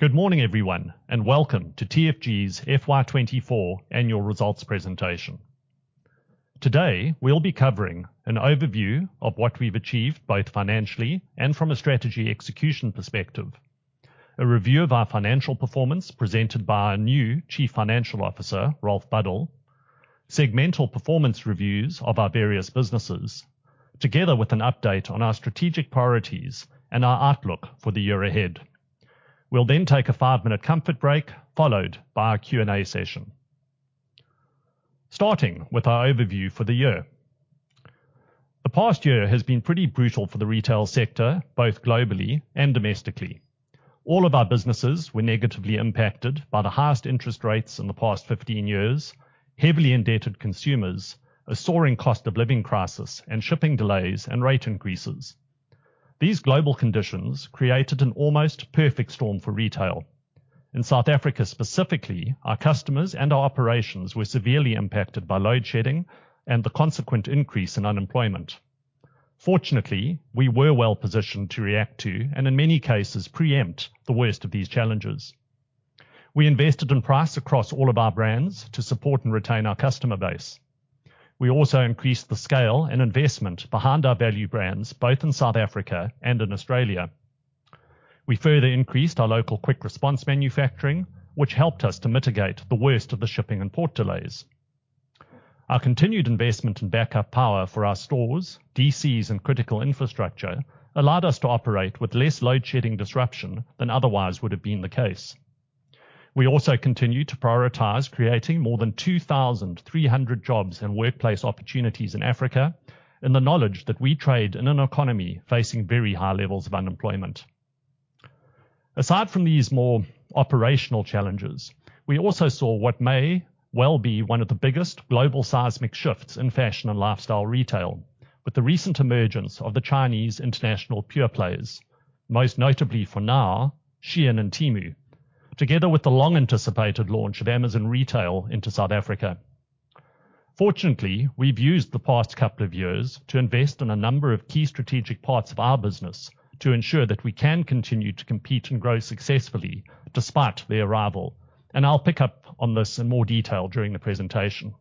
Good morning, everyone, and welcome to TFG's FY24 Annual Results Presentation. Today, we'll be covering an overview of what we've achieved both financially and from a strategy execution perspective. A review of our financial performance presented by our new Chief Financial Officer, Ralph Buddle. Segmental performance reviews of our various businesses, together with an update on our strategic priorities and our outlook for the year ahead. We'll then take a five-minute comfort break, followed by our Q&A session. Starting with our overview for the year, the past year has been pretty brutal for the retail sector, both globally and domestically. All of our businesses were negatively impacted by the highest interest rates in the past 15 years, heavily indebted consumers, a soaring cost of living crisis, and shipping delays and rate increases. These global conditions created an almost perfect storm for retail. In South Africa specifically, our customers and our operations were severely impacted by load shedding and the consequent increase in unemployment. Fortunately, we were well positioned to react to, and in many cases, preempt the worst of these challenges. We invested in price across all of our brands to support and retain our customer base. We also increased the scale and investment behind our value brands, both in South Africa and in Australia. We further increased our local quick response manufacturing, which helped us to mitigate the worst of the shipping and port delays. Our continued investment in backup power for our stores, DCs, and critical infrastructure allowed us to operate with less load shedding disruption than otherwise would have been the case. We also continue to prioritize creating more than 2,300 jobs and workplace opportunities in Africa, in the knowledge that we trade in an economy facing very high levels of unemployment. Aside from these more operational challenges, we also saw what may well be one of the biggest global seismic shifts in fashion and lifestyle retail, with the recent emergence of the Chinese international pure players, most notably for now, SHEIN and Temu, together with the long-anticipated launch of Amazon retail into South Africa. Fortunately, we've used the past couple of years to invest in a number of key strategic parts of our business to ensure that we can continue to compete and grow successfully despite their arrival, and I'll pick up on this in more detail during the presentation.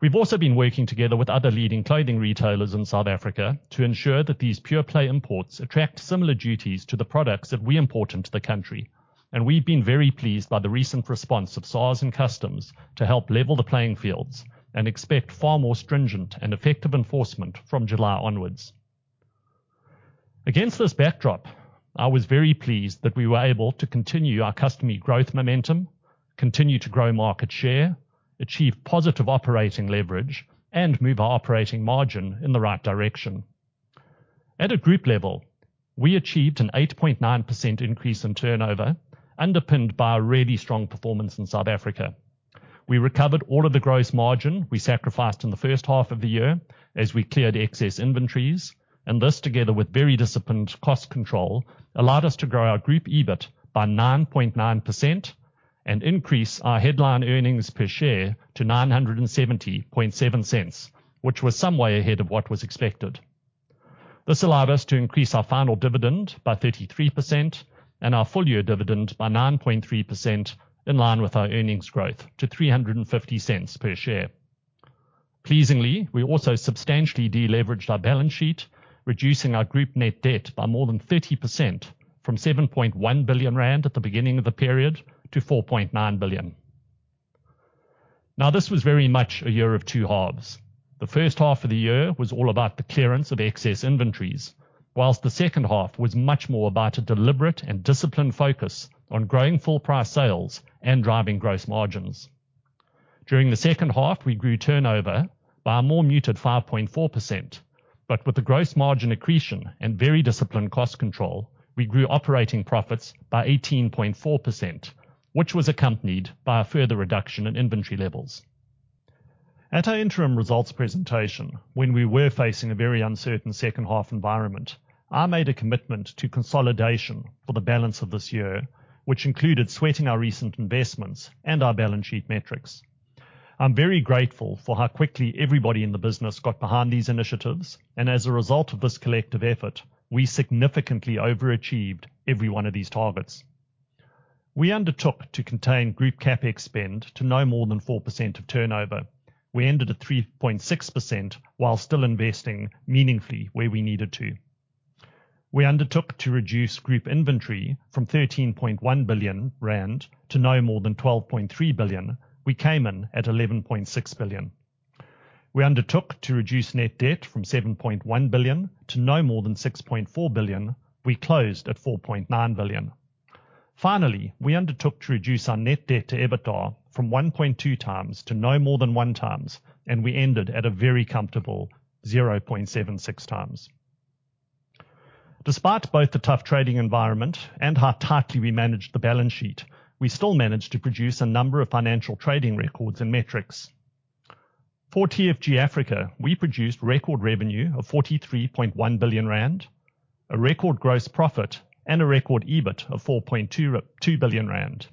We've also been working together with other leading clothing retailers in South Africa to ensure that these pure play imports attract similar duties to the products that we import into the country, and we've been very pleased by the recent response of SARS and Customs to help level the playing fields and expect far more stringent and effective enforcement from July onwards Against this backdrop, I was very pleased that we were able to continue our customary growth momentum, continue to grow market share, achieve positive operating leverage, and move our operating margin in the right direction. At a group level, we achieved an 8.9% increase in turnover, underpinned by a really strong performance in South Africa. We recovered all of the gross margin we sacrificed in the first half of the year as we cleared excess inventories, and this, together with very disciplined cost control, allowed us to grow our group EBIT by 9.9% and increase our headline earnings per share to 9.707, which was some way ahead of what was expected. This allowed us to increase our final dividend by 33% and our full year dividend by 9.3% in line with our earnings growth to 3.50 per share. Pleasingly, we also substantially de-leveraged our balance sheet, reducing our group net debt by more than 30% from 7.1 billion rand at the beginning of the period to 4.9 billion. Now, this was very much a year of two halves. The first half of the year was all about the clearance of excess inventories, while the second half was much more about a deliberate and disciplined focus on growing full price sales and driving gross margins. During the second half, we grew turnover by a more muted 5.4%, but with the gross margin accretion and very disciplined cost control, we grew operating profits by 18.4%, which was accompanied by a further reduction in inventory levels. At our interim results presentation, when we were facing a very uncertain second half environment, I made a commitment to consolidation for the balance of this year, which included sweating our recent investments and our balance sheet metrics. I'm very grateful for how quickly everybody in the business got behind these initiatives, and as a result of this collective effort, we significantly overachieved every one of these targets. We undertook to contain group CapEx spend to no more than 4% of turnover. We ended at 3.6% while still investing meaningfully where we needed to. We undertook to reduce group inventory from 13.1 billion rand to no more than 12.3 billion. We came in at 11.6 billion. We undertook to reduce net debt from 7.1 billion to no more than 6.4 billion. We closed at 4.9 billion. Finally, we undertook to reduce our net debt to EBITDA from 1.2 times to no more than 1 times, and we ended at a very comfortable 0.76 times. Despite both the tough trading environment and how tightly we managed the balance sheet, we still managed to produce a number of financial trading records and metrics. For TFG Africa, we produced record revenue of 43.1 billion rand, a record gross profit, and a record EBIT of 4.2 billion rand.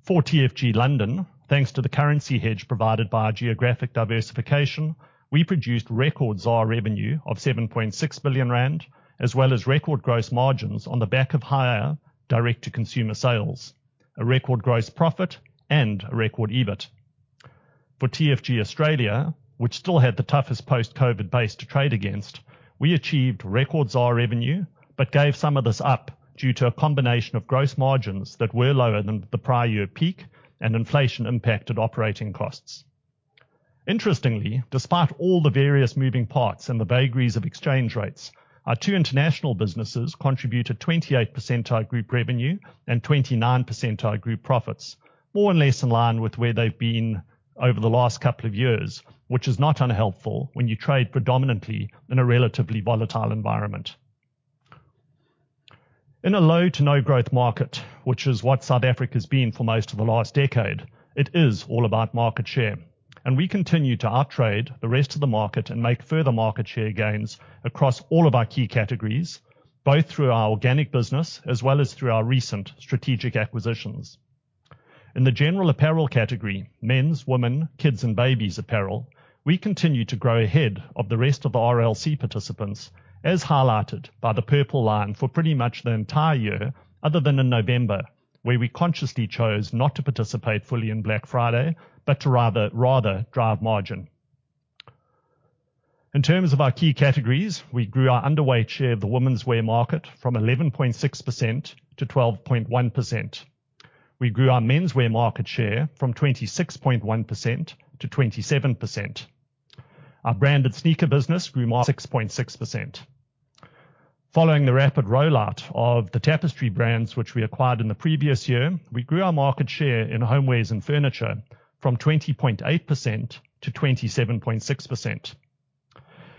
For TFG London, thanks to the currency hedge provided by our geographic diversification, we produced record ZAR revenue of 7.6 billion, as well as record gross margins on the back of higher direct-to-consumer sales, a record gross profit, and a record EBIT. For TFG Australia, which still had the toughest post-COVID base to trade against, we achieved record ZAR revenue, but gave some of this up due to a combination of gross margins that were lower than the prior year peak and inflation-impacted operating costs. Interestingly, despite all the various moving parts and the vagaries of exchange rates, our two international businesses contributed 28% to our group revenue and 29% to our group profits, more or less in line with where they've been over the last couple of years, which is not unhelpful when you trade predominantly in a relatively volatile environment. In a low-to-no-growth market, which is what South Africa has been for most of the last decade, it is all about market share, and we continue to outtrade the rest of the market and make further market share gains across all of our key categories, both through our organic business as well as through our recent strategic acquisitions. In the general apparel category, men's, women, kids, and babies apparel, we continue to grow ahead of the rest of the RLC participants, as highlighted by the purple line for pretty much the entire year, other than in November, where we consciously chose not to participate fully in Black Friday, but to rather drive margin. In terms of our key categories, we grew our underwear share of the women's wear market from 11.6% to 12.1%. We grew our men's wear market share from 26.1% to 27%. Our branded sneaker business grew 6.6%. Following the rapid rollout of the Tapestry brands which we acquired in the previous year, we grew our market share in homeware and furniture from 20.8% to 27.6%.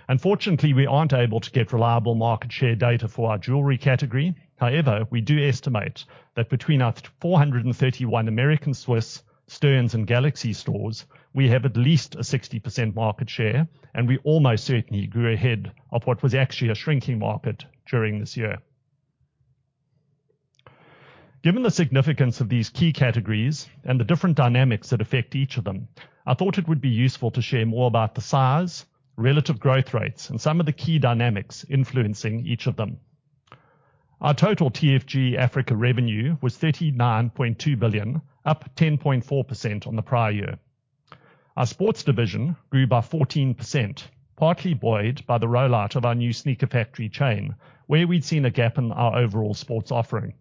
Unfortunately, we aren't able to get reliable market share data for our jewelry category. However, we do estimate that between our 431 American Swiss, Sterns, and Galaxy stores, we have at least a 60% market share, and we almost certainly grew ahead of what was actually a shrinking market during this year. Given the significance of these key categories and the different dynamics that affect each of them, I thought it would be useful to share more about the shares, relative growth rates, and some of the key dynamics influencing each of them. Our total TFG Africa revenue was 39.2 billion, up 10.4% on the prior year. Our sports division grew by 14%, partly buoyed by the rollout of our new Sneaker Factory chain, where we'd seen a gap in our overall sports offering.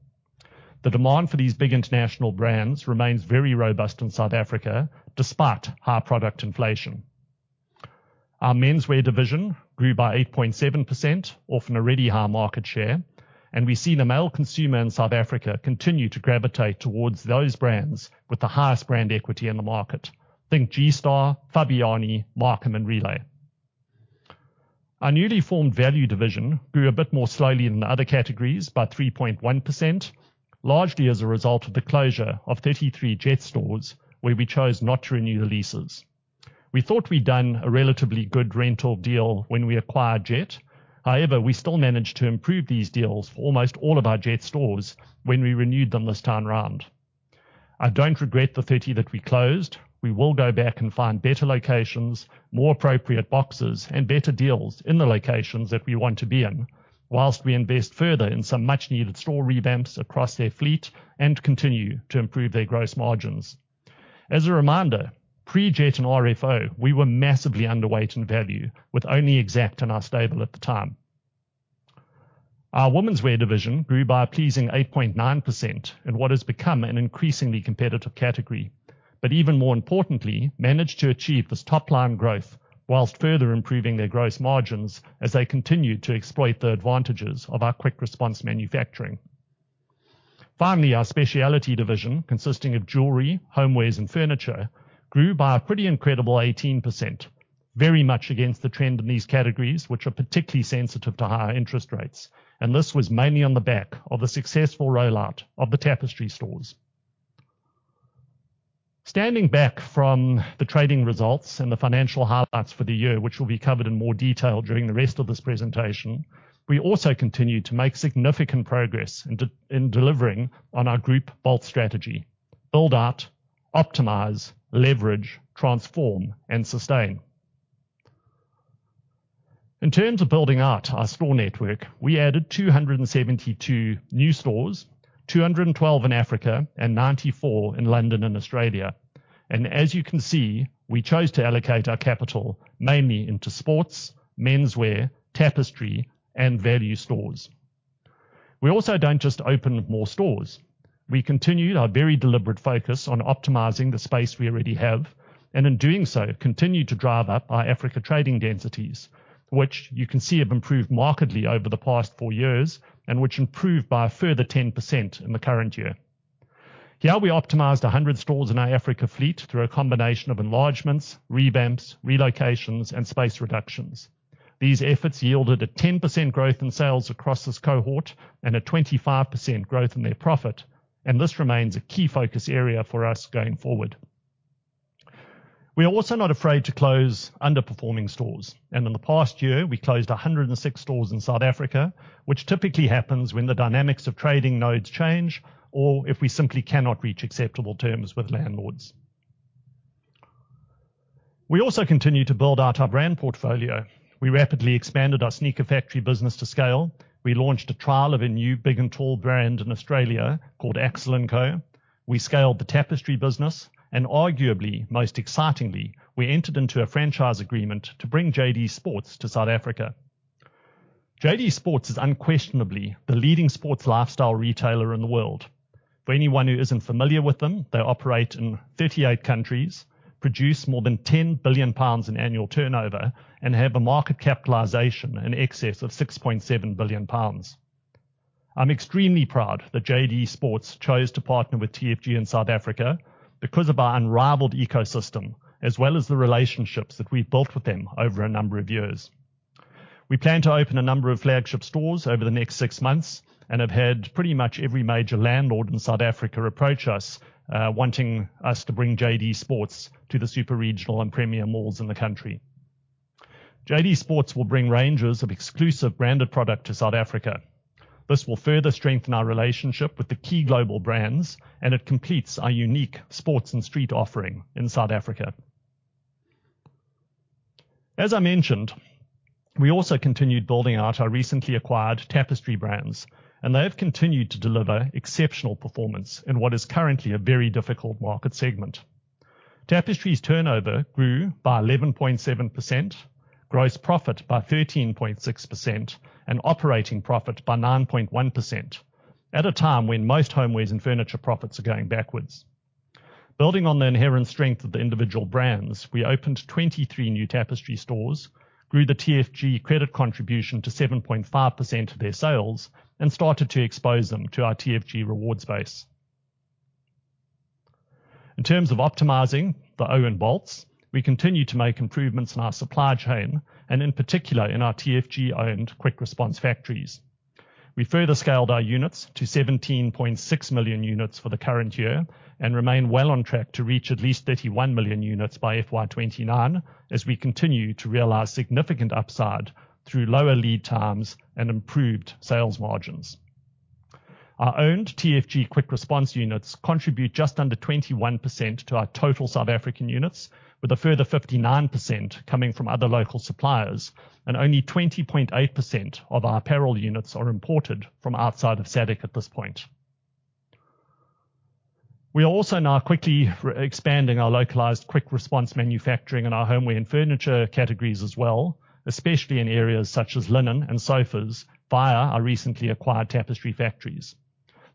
The demand for these big international brands remains very robust in South Africa, despite high product inflation. Our men's wear division grew by 8.7%, off an already high market share, and we see the male consumer in South Africa continue to gravitate towards those brands with the highest brand equity in the market. Think G-Star, Fabiani, Markham, and Relay. Our newly formed value division grew a bit more slowly than other categories, by 3.1%, largely as a result of the closure of 33 Jet stores, where we chose not to renew the leases. We thought we'd done a relatively good rental deal when we acquired Jet. However, we still managed to improve these deals for almost all of our Jet stores when we renewed them this time around. I don't regret the 30 that we closed. We will go back and find better locations, more appropriate boxes, and better deals in the locations that we want to be in, whilst we invest further in some much-needed store revamps across their fleet and continue to improve their gross margins. As a reminder, pre-Jet and RFO, we were massively underweight in value, with only Exact and our stable at the time. Our women's wear division grew by a pleasing 8.9% in what has become an increasingly competitive category, but even more importantly, managed to achieve this top-line growth while further improving their gross margins as they continued to exploit the advantages of our quick response manufacturing. Finally, our specialty division, consisting of jewelry, homewares, and furniture, grew by a pretty incredible 18%, very much against the trend in these categories, which are particularly sensitive to higher interest rates, and this was mainly on the back of the successful rollout of the Tapestry stores. Standing back from the trading results and the financial highlights for the year, which will be covered in more detail during the rest of this presentation, we also continued to make significant progress in delivering on our group BOLTS strategy: Build, Optimize, Leverage, Transform, and Sustain. In terms of building out our store network, we added 272 new stores, 212 in Africa and 94 in London and Australia, and as you can see, we chose to allocate our capital mainly into sports, menswear, Tapestry, and value stores. We also don't just open more stores. We continued our very deliberate focus on optimizing the space we already have, and in doing so, continued to drive up our Africa trading densities, which you can see have improved markedly over the past four years and which improved by a further 10% in the current year. Here, we optimized 100 stores in our Africa fleet through a combination of enlargements, revamps, relocations, and space reductions. These efforts yielded a 10% growth in sales across this cohort and a 25% growth in their profit, and this remains a key focus area for us going forward. We are also not afraid to close underperforming stores, and in the past year, we closed 106 stores in South Africa, which typically happens when the dynamics of trading nodes change or if we simply cannot reach acceptable terms with landlords. We also continue to build out our brand portfolio. We rapidly expanded our Sneaker Factory business to scale. We launched a trial of a new big and tall brand in Australia called Axel & Co. We scaled the Tapestry business, and arguably, most excitingly, we entered into a franchise agreement to bring JD Sports to South Africa. JD Sports is unquestionably the leading sports lifestyle retailer in the world. For anyone who isn't familiar with them, they operate in 38 countries, produce more than 10 billion pounds in annual turnover, and have a market capitalization in excess of 6.7 billion pounds. I'm extremely proud that JD Sports chose to partner with TFG in South Africa because of our unrivaled ecosystem, as well as the relationships that we've built with them over a number of years. We plan to open a number of flagship stores over the next 6 months and have had pretty much every major landlord in South Africa approach us, wanting us to bring JD Sports to the super regional and premier malls in the country. JD Sports will bring ranges of exclusive branded product to South Africa. This will further strengthen our relationship with the key global brands, and it completes our unique sports and street offering in South Africa. As I mentioned, we also continued building out our recently acquired Tapestry brands, and they have continued to deliver exceptional performance in what is currently a very difficult market segment. Tapestry's turnover grew by 11.7%, gross profit by 13.6%, and operating profit by 9.1% at a time when most homewares and furniture profits are going backwards. Building on the inherent strength of the individual brands, we opened 23 new Tapestry stores, grew the TFG credit contribution to 7.5% of their sales, and started to expose them to our TFG Rewards base. In terms of optimizing the O and bolts, we continue to make improvements in our supply chain and, in particular, in our TFG-owned quick response factories. We further scaled our units to 17.6 million units for the current year and remain well on track to reach at least 31 million units by FY29, as we continue to realize significant upside through lower lead times and improved sales margins. Our owned TFG quick response units contribute just under 21% to our total South African units, with a further 59% coming from other local suppliers, and only 20.8% of our apparel units are imported from outside of SADC at this point. We are also now quickly expanding our localized quick response manufacturing in our homeware and furniture categories as well, especially in areas such as linen and sofas via our recently acquired Tapestry factories.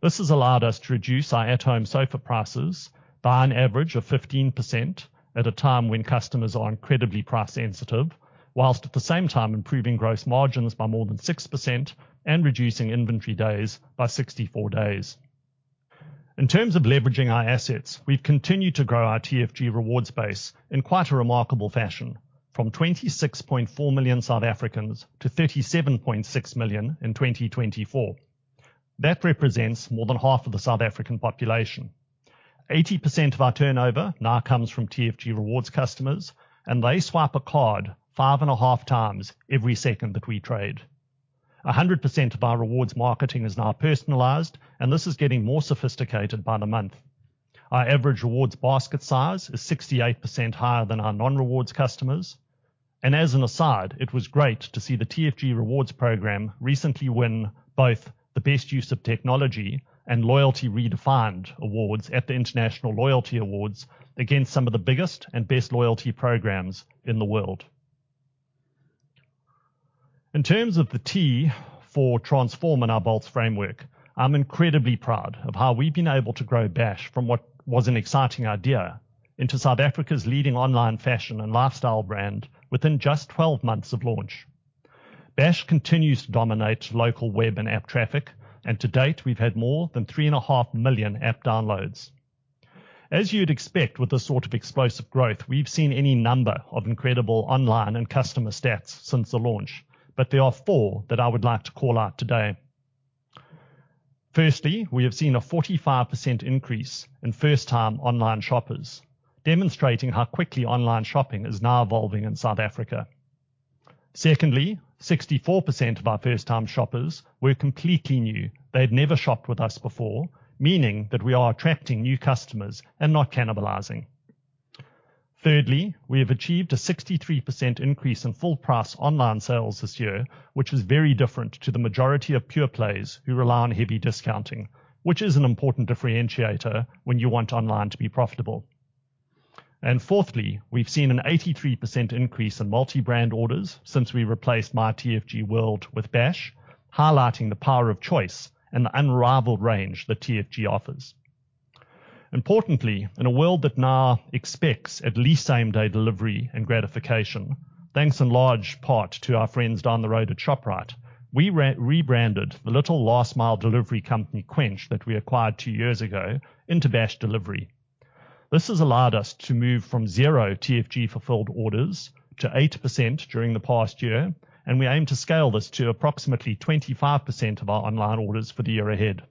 This has allowed us to reduce our @home sofa prices by an average of 15% at a time when customers are incredibly price sensitive, while at the same time improving gross margins by more than 6% and reducing inventory days by 64 days. In terms of leveraging our assets, we've continued to grow our TFG Rewards base in quite a remarkable fashion, from 26.4 million South Africans to 37.6 million in 2024. That represents more than half of the South African population. 80% of our turnover now comes from TFG Rewards customers, and they swipe a card 5.5 times every second that we trade. 100% of our rewards marketing is now personalized, and this is getting more sophisticated by the month. Our average rewards basket size is 68% higher than our non-rewards customers. And as an aside, it was great to see the TFG Rewards program recently win both the Best Use of Technology and Loyalty Redefined awards at the International Loyalty Awards against some of the biggest and best loyalty programs in the world. In terms of the T for transform in our BOLTS framework, I'm incredibly proud of how we've been able to grow Bash from what was an exciting idea into South Africa's leading online fashion and lifestyle brand within just 12 months of launch. Bash continues to dominate local web and app traffic, and to date, we've had more than 3.5 million app downloads. As you'd expect with this sort of explosive growth, we've seen any number of incredible online and customer stats since the launch, but there are four that I would like to call out today. Firstly, we have seen a 45% increase in first-time online shoppers, demonstrating how quickly online shopping is now evolving in South Africa. Secondly, 64% of our first-time shoppers were completely new. They'd never shopped with us before, meaning that we are attracting new customers and not cannibalizing. Thirdly, we have achieved a 63% increase in full price online sales this year, which is very different to the majority of pure players who rely on heavy discounting, which is an important differentiator when you want online to be profitable. And fourthly, we've seen an 83% increase in multi-brand orders since we replaced myTFGworld with Bash, highlighting the power of choice and the unrivaled range that TFG offers. Importantly, in a world that now expects at least same-day delivery and gratification, thanks in large part to our friends down the road at Shoprite, we rebranded the little last-mile delivery company Quench that we acquired two years ago into Bash Delivery. This has allowed us to move from zero TFG fulfilled orders to 8% during the past year, and we aim to scale this to approximately 25% of our online orders for the year ahead.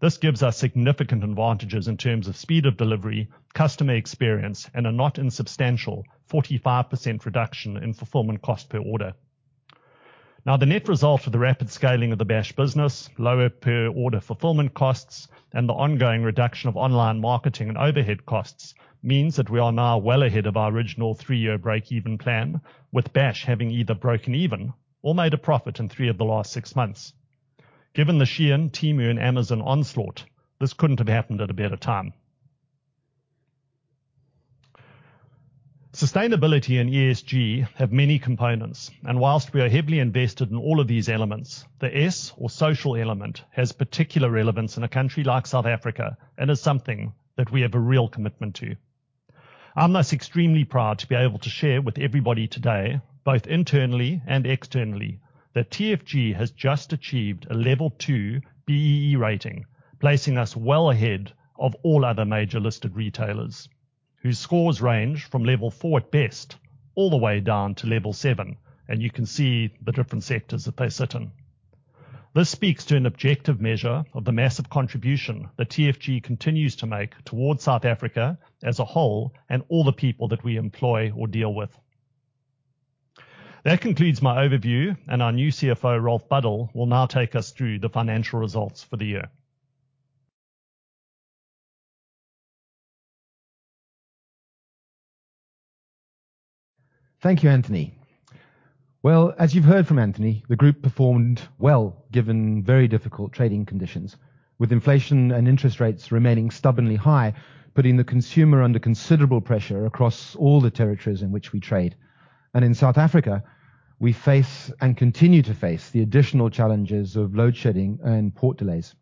This gives us significant advantages in terms of speed of delivery, customer experience, and a not insubstantial 45% reduction in fulfillment cost per order. Now, the net result of the rapid scaling of the Bash business, lower per order fulfillment costs, and the ongoing reduction of online marketing and overhead costs means that we are now well ahead of our original three-year break-even plan, with Bash having either broken even or made a profit in three of the last six months. Given the SHEIN, Temu, and Amazon onslaught, this couldn't have happened at a better time. Sustainability and ESG have many components, and while we are heavily invested in all of these elements, the S or social element has particular relevance in a country like South Africa and is something that we have a real commitment to. I'm thus extremely proud to be able to share with everybody today, both internally and externally, that TFG has just achieved a level two BEE rating, placing us well ahead of all other major listed retailers, whose scores range from level four at best all the way down to level seven, and you can see the different sectors that they sit in. This speaks to an objective measure of the massive contribution that TFG continues to make towards South Africa as a whole and all the people that we employ or deal with. That concludes my overview, and our new CFO, Ralph Buddle, will now take us through the financial results for the year. Thank you, Anthony. Well, as you've heard from Anthony, the group performed well given very difficult trading conditions, with inflation and interest rates remaining stubbornly high, putting the consumer under considerable pressure across all the territories in which we trade. In South Africa, we face and continue to face the additional challenges of load shedding and port delays.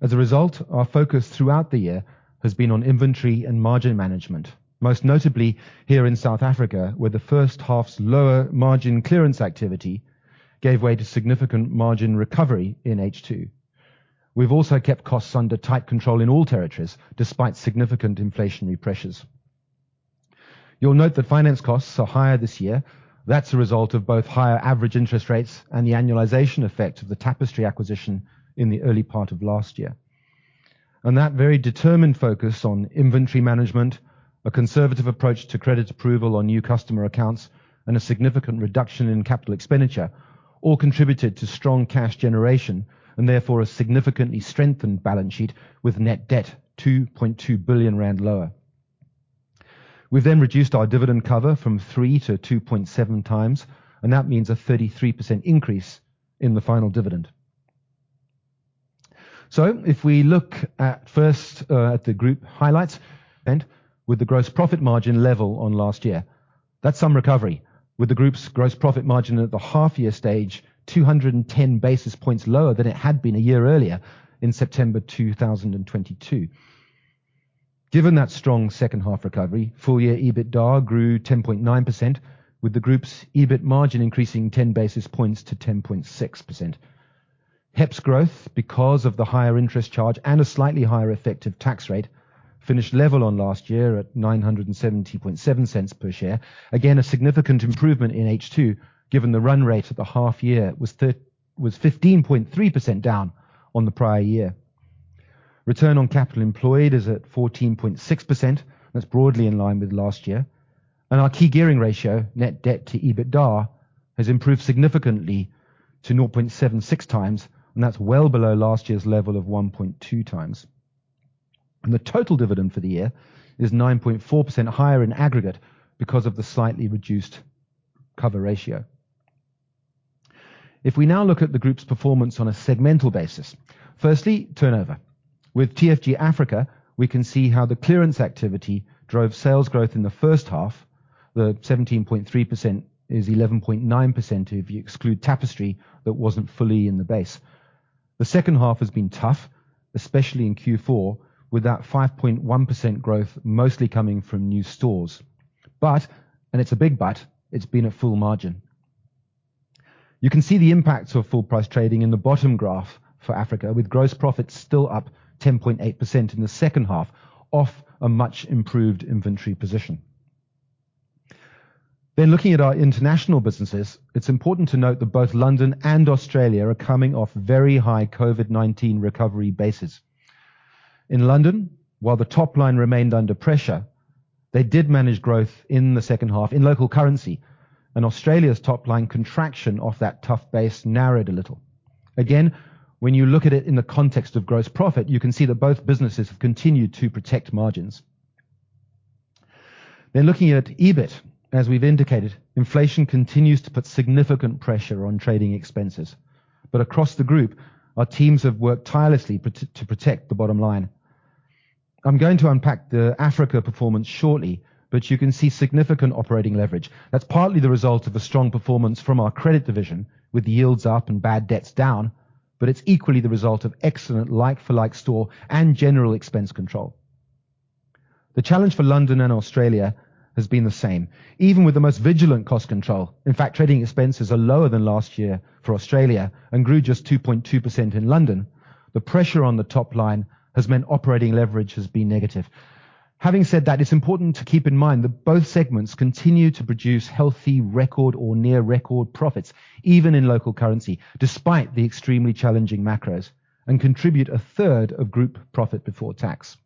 As a result, our focus throughout the year has been on inventory and margin management, most notably here in South Africa, where the first half's lower margin clearance activity gave way to significant margin recovery in H2. We've also kept costs under tight control in all territories despite significant inflationary pressures. You'll note that finance costs are higher this year. That's a result of both higher average interest rates and the annualization effect of the Tapestry acquisition in the early part of last year. That very determined focus on inventory management, a conservative approach to credit approval on new customer accounts, and a significant reduction in capital expenditure all contributed to strong cash generation and therefore a significantly strengthened balance sheet with net debt 2.2 billion rand lower. We've then reduced our dividend cover from 3 to 2.7 times, and that means a 33% increase in the final dividend. If we look first at the group highlights, with the gross profit margin level on last year. That's some recovery, with the group's gross profit margin at the half-year stage, 210 basis points lower than it had been a year earlier in September 2022. Given that strong second-half recovery, full-year EBITDA grew 10.9%, with the group's EBIT margin increasing 10 basis points to 10.6%. HEPS' growth, because of the higher interest charge and a slightly higher effective tax rate, finished level on last year at 9.707 per share. Again, a significant improvement in H2, given the run rate at the half-year was 15.3% down on the prior year. Return on capital employed is at 14.6%. That's broadly in line with last year. Our key gearing ratio, net debt to EBITDA, has improved significantly to 0.76 times, and that's well below last year's level of 1.2 times. The total dividend for the year is 9.4% higher in aggregate because of the slightly reduced cover ratio. If we now look at the group's performance on a segmental basis, firstly, turnover. With TFG Africa, we can see how the clearance activity drove sales growth in the first half. The 17.3% is 11.9% if you exclude Tapestry that wasn't fully in the base. The second half has been tough, especially in Q4, with that 5.1% growth mostly coming from new stores. But, and it's a big but, it's been at full margin. You can see the impact of full price trading in the bottom graph for Africa, with gross profits still up 10.8% in the second half off a much improved inventory position. Then, looking at our international businesses, it's important to note that both London and Australia are coming off very high COVID-19 recovery bases. In London, while the top line remained under pressure, they did manage growth in the second half in local currency, and Australia's top line contraction off that tough base narrowed a little. Again, when you look at it in the context of gross profit, you can see that both businesses have continued to protect margins. Looking at EBIT, as we've indicated, inflation continues to put significant pressure on trading expenses. But across the group, our teams have worked tirelessly to protect the bottom line. I'm going to unpack the Africa performance shortly, but you can see significant operating leverage. That's partly the result of the strong performance from our credit division, with yields up and bad debts down, but it's equally the result of excellent like-for-like store and general expense control. The challenge for London and Australia has been the same. Even with the most vigilant cost control, in fact, trading expenses are lower than last year for Australia and grew just 2.2% in London. The pressure on the top line has meant operating leverage has been negative. Having said that, it's important to keep in mind that both segments continue to produce healthy record or near-record profits, even in local currency, despite the extremely challenging macros, and contribute a third of group profit before tax.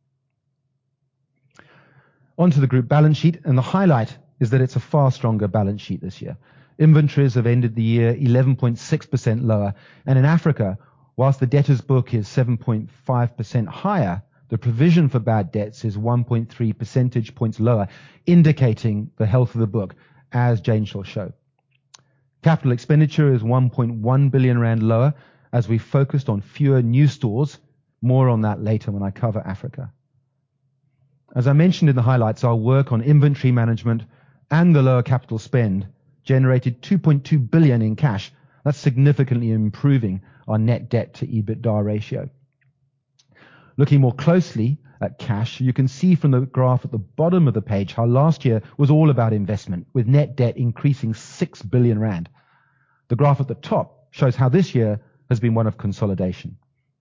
Onto the group balance sheet, and the highlight is that it's a far stronger balance sheet this year. Inventories have ended the year 11.6% lower, and in Africa, whilst the debtor's book is 7.5% higher, the provision for bad debts is 1.3 percentage points lower, indicating the health of the book, as Jane shall show. Capital expenditure is 1.1 billion rand lower, as we focused on fewer new stores. More on that later when I cover Africa. As I mentioned in the highlights, our work on inventory management and the lower capital spend generated 2.2 billion in cash. That's significantly improving our net debt to EBITDA ratio. Looking more closely at cash, you can see from the graph at the bottom of the page how last year was all about investment, with net debt increasing 6 billion rand. The graph at the top shows how this year has been one of consolidation,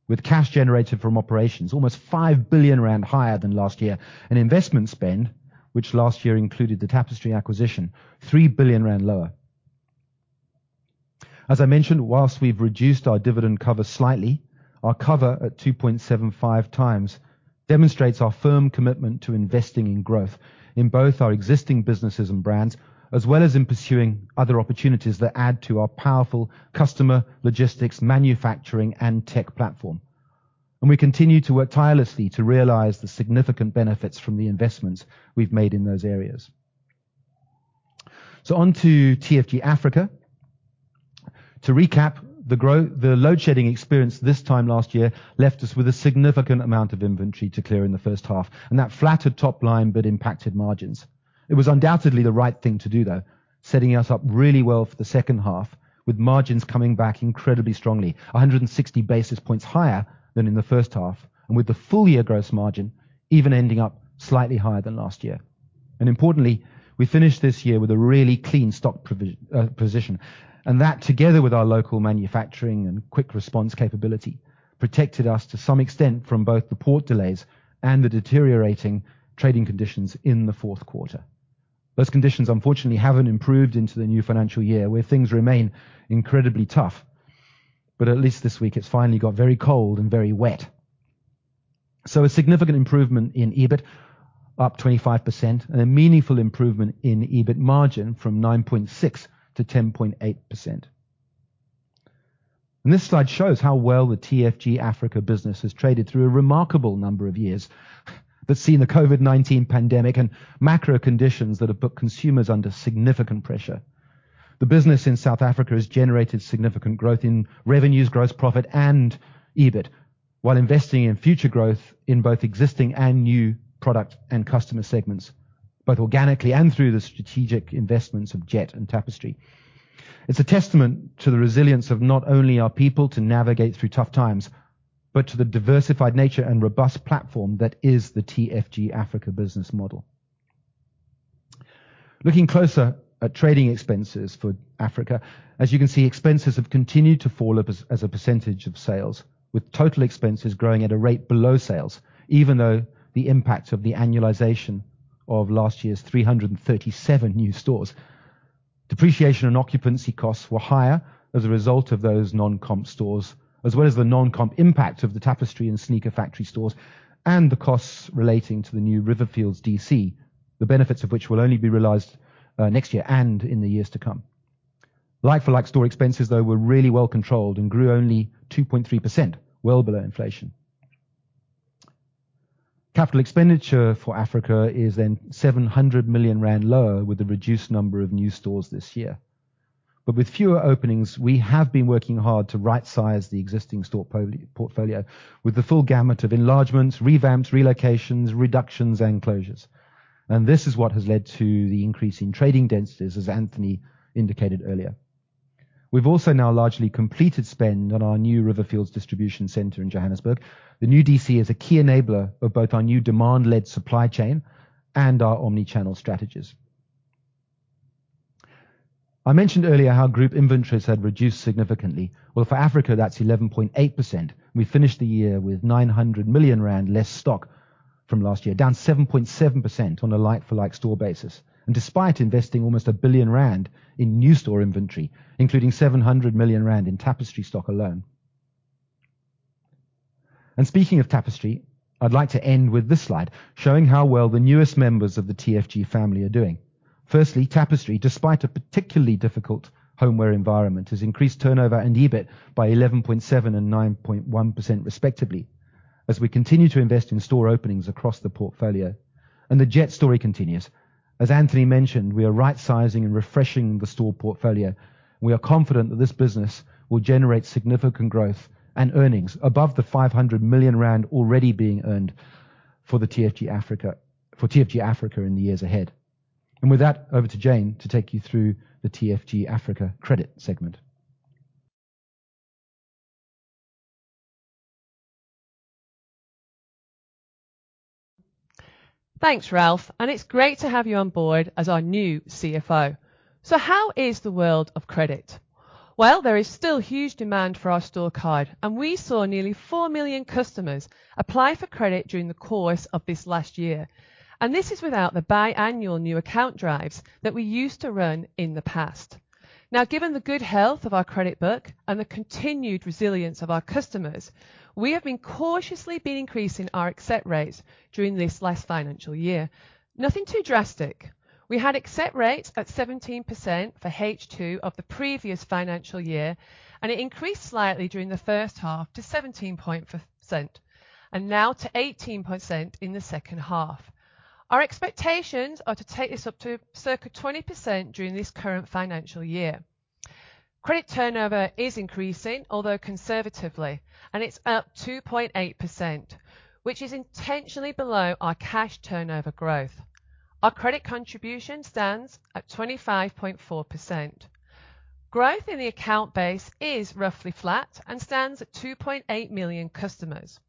with cash generated from operations almost 5 billion rand higher than last year, and investment spend, which last year included the Tapestry acquisition, 3 billion rand lower. As I mentioned, whilst we've reduced our dividend cover slightly, our cover at 2.75 times demonstrates our firm commitment to investing in growth in both our existing businesses and brands, as well as in pursuing other opportunities that add to our powerful customer logistics, manufacturing, and tech platform. And we continue to work tirelessly to realize the significant benefits from the investments we've made in those areas. So onto TFG Africa. To recap, the load shedding experience this time last year left us with a significant amount of inventory to clear in the first half, and that flattered top line but impacted margins. It was undoubtedly the right thing to do, though, setting us up really well for the second half, with margins coming back incredibly strongly, 160 basis points higher than in the first half, and with the full-year gross margin even ending up slightly higher than last year. Importantly, we finished this year with a really clean stock position, and that, together with our local manufacturing and quick response capability, protected us to some extent from both the port delays and the deteriorating trading conditions in the Q4. Those conditions, unfortunately, haven't improved into the new financial year, where things remain incredibly tough. At least this week, it's finally got very cold and very wet. So a significant improvement in EBIT, up 25%, and a meaningful improvement in EBIT margin from 9.6% to 10.8%. This slide shows how well the TFG Africa business has traded through a remarkable number of years, but seeing the COVID-19 pandemic and macro conditions that have put consumers under significant pressure. The business in South Africa has generated significant growth in revenues, gross profit, and EBIT, while investing in future growth in both existing and new product and customer segments, both organically and through the strategic investments of Jet and Tapestry. It's a testament to the resilience of not only our people to navigate through tough times, but to the diversified nature and robust platform that is the TFG Africa business model. Looking closer at trading expenses for Africa, as you can see, expenses have continued to fall as a percentage of sales, with total expenses growing at a rate below sales, even though the impact of the annualization of last year's 337 new stores. Depreciation and occupancy costs were higher as a result of those non-comp stores, as well as the non-comp impact of the Tapestry and Sneaker Factory stores and the costs relating to the new Riverfields DC, the benefits of which will only be realized next year and in the years to come. Like-for-like store expenses, though, were really well controlled and grew only 2.3%, well below inflation. Capital expenditure for Africa is then 700 million rand lower with the reduced number of new stores this year. But with fewer openings, we have been working hard to right-size the existing store portfolio with the full gamut of enlargements, revamps, relocations, reductions, and closures. And this is what has led to the increase in trading densities, as Anthony indicated earlier. We've also now largely completed spend on our new Riverfields Distribution Center in Johannesburg. The new DC is a key enabler of both our new demand-led supply chain and our omnichannel strategies. I mentioned earlier how group inventories had reduced significantly. Well, for Africa, that's 11.8%. We finished the year with 900 million rand less stock from last year, down 7.7% on a like-for-like store basis, and despite investing almost 1 billion rand in new store inventory, including 700 million rand in Tapestry stock alone. And speaking of Tapestry, I'd like to end with this slide showing how well the newest members of the TFG family are doing. Firstly, Tapestry, despite a particularly difficult homeware environment, has increased turnover and EBIT by 11.7% and 9.1% respectively, as we continue to invest in store openings across the portfolio. The Jet story continues. As Anthony mentioned, we are right-sizing and refreshing the store portfolio. We are confident that this business will generate significant growth and earnings above the 500 million rand already being earned for the TFG Africa in the years ahead. And with that, over to Jane to take you through the TFG Africa credit segment. Thanks, Ralph. It's great to have you on board as our new CFO. So how is the world of credit? Well, there is still huge demand for our store card, and we saw nearly four million customers apply for credit during the course of this last year. This is without the biannual new account drives that we used to run in the past. Now, given the good health of our credit book and the continued resilience of our customers, we have been cautiously increasing our accept rates during this last financial year. Nothing too drastic. We had accept rates at 17% for H2 of the previous financial year, and it increased slightly during the first half to 17.5%, and now to 18% in the second half. Our expectations are to take this up to circa 20% during this current financial year. Credit turnover is increasing, although conservatively, and it's up 2.8%, which is intentionally below our cash turnover growth. Our credit contribution stands at 25.4%. Growth in the account base is roughly flat and stands at 2.8 million customers.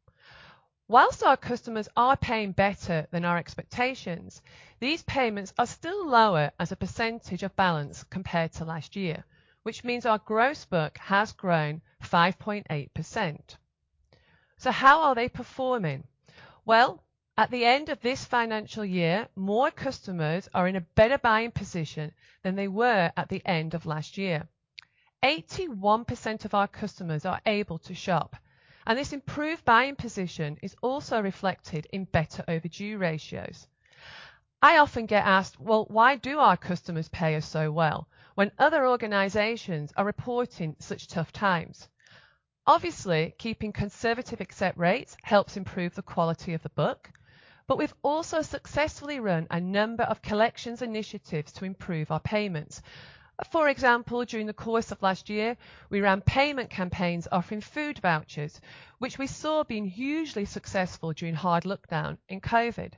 While our customers are paying better than our expectations, these payments are still lower as a percentage of balance compared to last year, which means our gross book has grown 5.8%. So how are they performing? Well, at the end of this financial year, more customers are in a better buying position than they were at the end of last year. 81% of our customers are able to shop, and this improved buying position is also reflected in better overdue ratios. I often get asked, well, why do our customers pay us so well when other organizations are reporting such tough times? Obviously, keeping conservative accept rates helps improve the quality of the book, but we've also successfully run a number of collections initiatives to improve our payments. For example, during the course of last year, we ran payment campaigns offering food vouchers, which we saw being hugely successful during hard lockdown in COVID.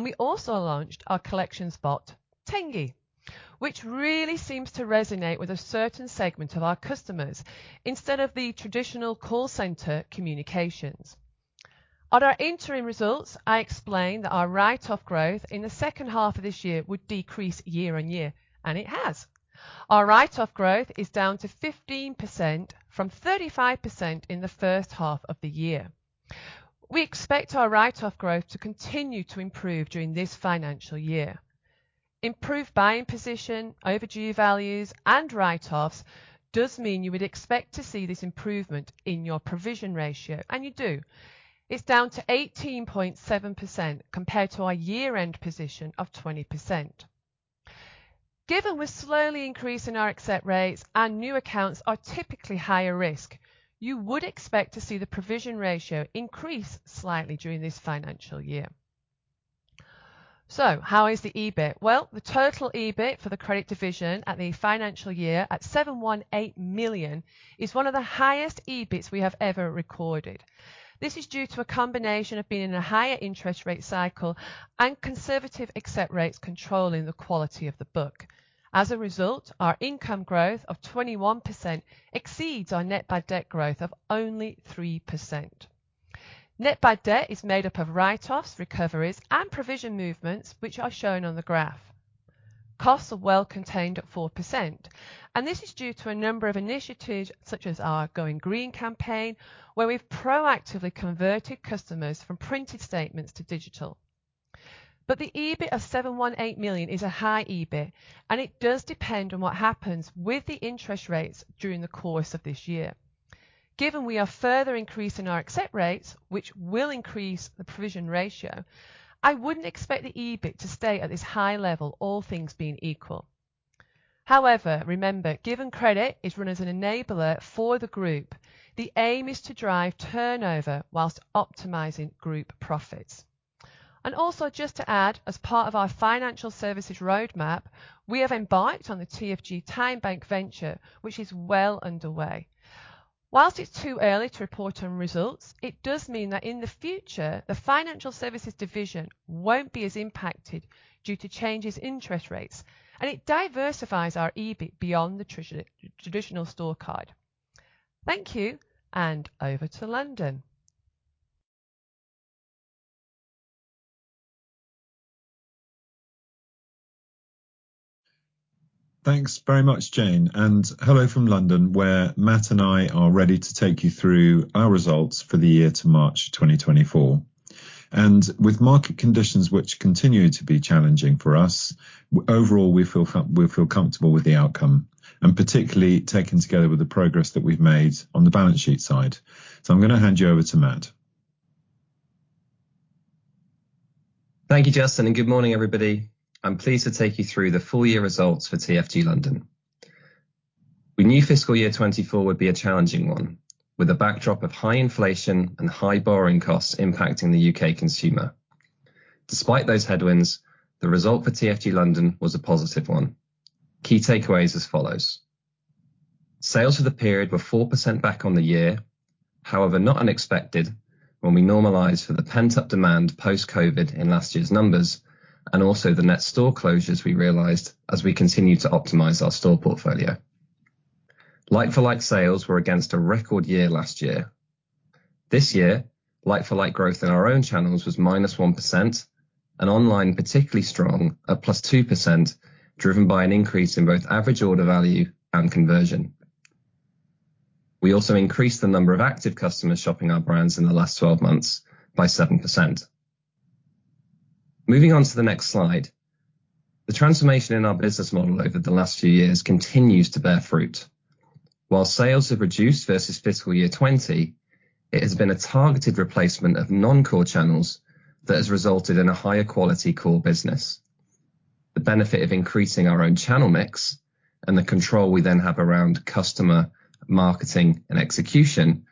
We also launched our collections bot, Tingy, which really seems to resonate with a certain segment of our customers instead of the traditional call center communications. On our interim results, I explained that our write-off growth in the second half of this year would decrease year on year, and it has. Our write-off growth is down to 15% from 35% in the first half of the year. We expect our write-off growth to continue to improve during this financial year. Improved buying position, overdue values, and write-offs does mean you would expect to see this improvement in your provision ratio, and you do. It's down to 18.7% compared to our year-end position of 20%. Given we're slowly increasing our accept rates, and new accounts are typically higher risk, you would expect to see the provision ratio increase slightly during this financial year. So how is the EBIT? Well, the total EBIT for the credit division at the financial year at 718 million is one of the highest EBITs we have ever recorded. This is due to a combination of being in a higher interest rate cycle and conservative accept rates controlling the quality of the book. As a result, our income growth of 21% exceeds our net bad debt growth of only 3%. Net bad debt is made up of write-offs, recoveries, and provision movements, which are shown on the graph. Costs are well contained at 4%, and this is due to a number of initiatives such as our Going Green campaign, where we've proactively converted customers from printed statements to digital. The EBIT of 718 million is a high EBIT, and it does depend on what happens with the interest rates during the course of this year. Given we are further increasing our accept rates, which will increase the provision ratio, I wouldn't expect the EBIT to stay at this high level, all things being equal. However, remember, given credit is run as an enabler for the group, the aim is to drive turnover while optimizing group profits. And also, just to add, as part of our financial services roadmap, we have embarked on the TFG TymeBank venture, which is well underway. While it's too early to report on results, it does mean that in the future, the financial services division won't be as impacted due to changes in interest rates, and it diversifies our EBIT beyond the traditional store card. Thank you, and over to London. Thanks very much, Jane. Hello from London, where Matt and I are ready to take you through our results for the year to March 2024. With market conditions which continue to be challenging for us, overall, we feel comfortable with the outcome, and particularly taken together with the progress that we've made on the balance sheet side. So I'm going to hand you over to Matt. Thank you, Justin, and good morning, everybody. I'm pleased to take you through the full-year results for TFG London. We knew fiscal year 2024 would be a challenging one, with a backdrop of high inflation and high borrowing costs impacting the UK consumer. Despite those headwinds, the result for TFG London was a positive one. Key takeaways as follows. Sales for the period were 4% back on the year, however not unexpected when we normalized for the pent-up demand post-COVID in last year's numbers, and also the net store closures we realized as we continued to optimize our store portfolio. Like-for-like sales were against a record year last year. This year, like-for-like growth in our own channels was -1%, and online particularly strong at +2%, driven by an increase in both average order value and conversion. We also increased the number of active customers shopping our brands in the last 12 months by 7%. Moving on to the next slide, the transformation in our business model over the last few years continues to bear fruit. While sales have reduced versus fiscal year 2020, it has been a targeted replacement of non-core channels that has resulted in a higher quality core business. The benefit of increasing our own channel mix and the control we then have around customer marketing and execution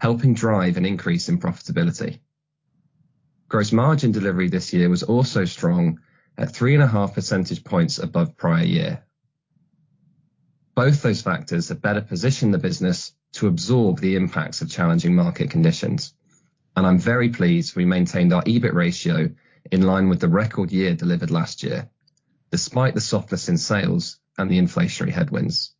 helping drive an increase in profitability. Gross margin delivery this year was also strong at 3.5 percentage points above prior year. Both those factors have better positioned the business to absorb the impacts of challenging market conditions. I'm very pleased we maintained our EBIT ratio in line with the record year delivered last year, despite the softness in sales and the inflationary headwinds.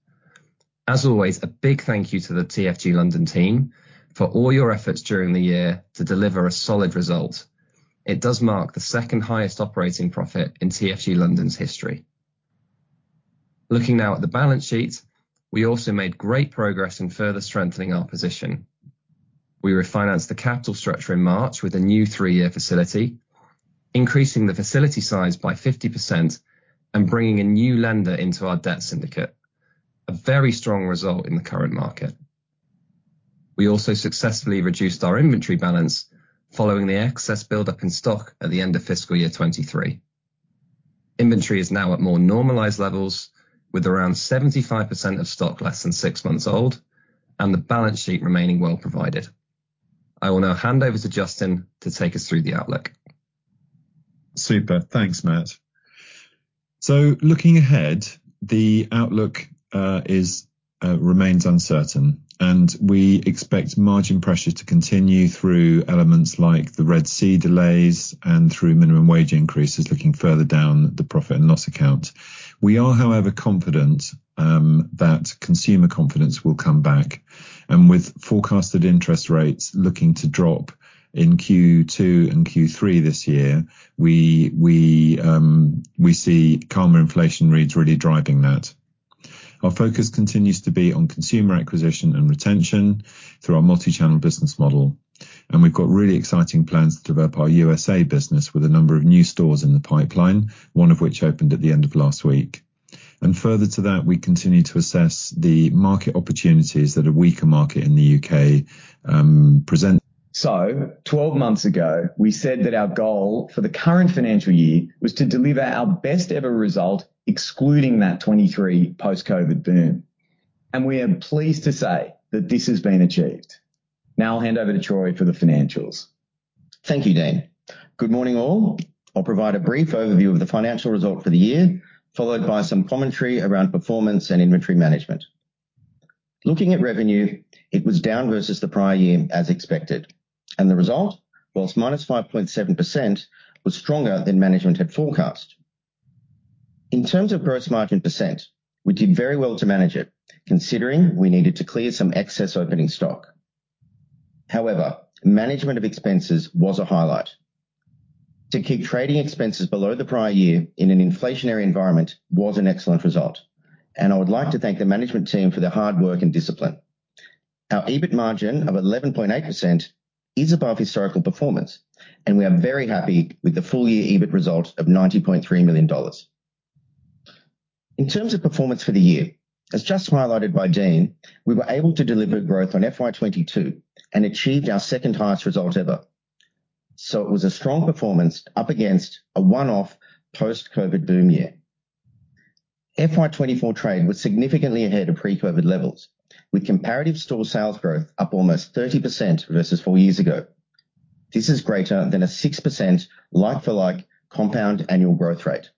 As always, a big thank you to the TFG London team for all your efforts during the year to deliver a solid result. It does mark the second highest operating profit in TFG London's history. Looking now at the balance sheet, we also made great progress in further strengthening our position. We refinanced the capital structure in March with a new 3-year facility, increasing the facility size by 50% and bringing a new lender into our debt syndicate, a very strong result in the current market. We also successfully reduced our inventory balance following the excess buildup in stock at the end of fiscal year 2023. Inventory is now at more normalized levels, with around 75% of stock less than 6 months old and the balance sheet remaining well provided. I will now hand over to Justin to take us through the outlook. Super. Thanks, Matt. So looking ahead, the outlook remains uncertain, and we expect margin pressure to continue through elements like the Red Sea delays and through minimum wage increases looking further down the profit and loss account. We are, however, confident that consumer confidence will come back. With forecasted interest rates looking to drop in Q2 and Q3 this year, we see calmer inflation rates really driving that. Our focus continues to be on consumer acquisition and retention through our multi-channel business model. We've got really exciting plans to develop our USA business with a number of new stores in the pipeline, one of which opened at the end of last week. Further to that, we continue to assess the market opportunities that a weaker market in the U.K. presents. 12 months ago, we said that our goal for the current financial year was to deliver our best-ever result, excluding that 2023 post-COVID boom. We are pleased to say that this has been achieved. Now I'll hand over to Troy for the financials. Thank you, Jane. Good morning, all. I'll provide a brief overview of the financial result for the year, followed by some commentary around performance and inventory management. Looking at revenue, it was down versus the prior year, as expected. The result, while -5.7%, was stronger than management had forecast. In terms of gross margin %, we did very well to manage it, considering we needed to clear some excess opening stock. However, management of expenses was a highlight. To keep trading expenses below the prior year in an inflationary environment was an excellent result. I would like to thank the management team for their hard work and discipline. Our EBIT margin of 11.8% is above historical performance, and we are very happy with the full-year EBIT result of $90.3 million. In terms of performance for the year, as just highlighted by Jane, we were able to deliver growth on FY22 and achieved our second-highest result ever. So it was a strong performance up against a one-off post-COVID boom year. FY24 trade was significantly ahead of pre-COVID levels, with comparative store sales growth up almost 30% versus four years ago. This is greater than a 6% like-for-like compound annual growth rate.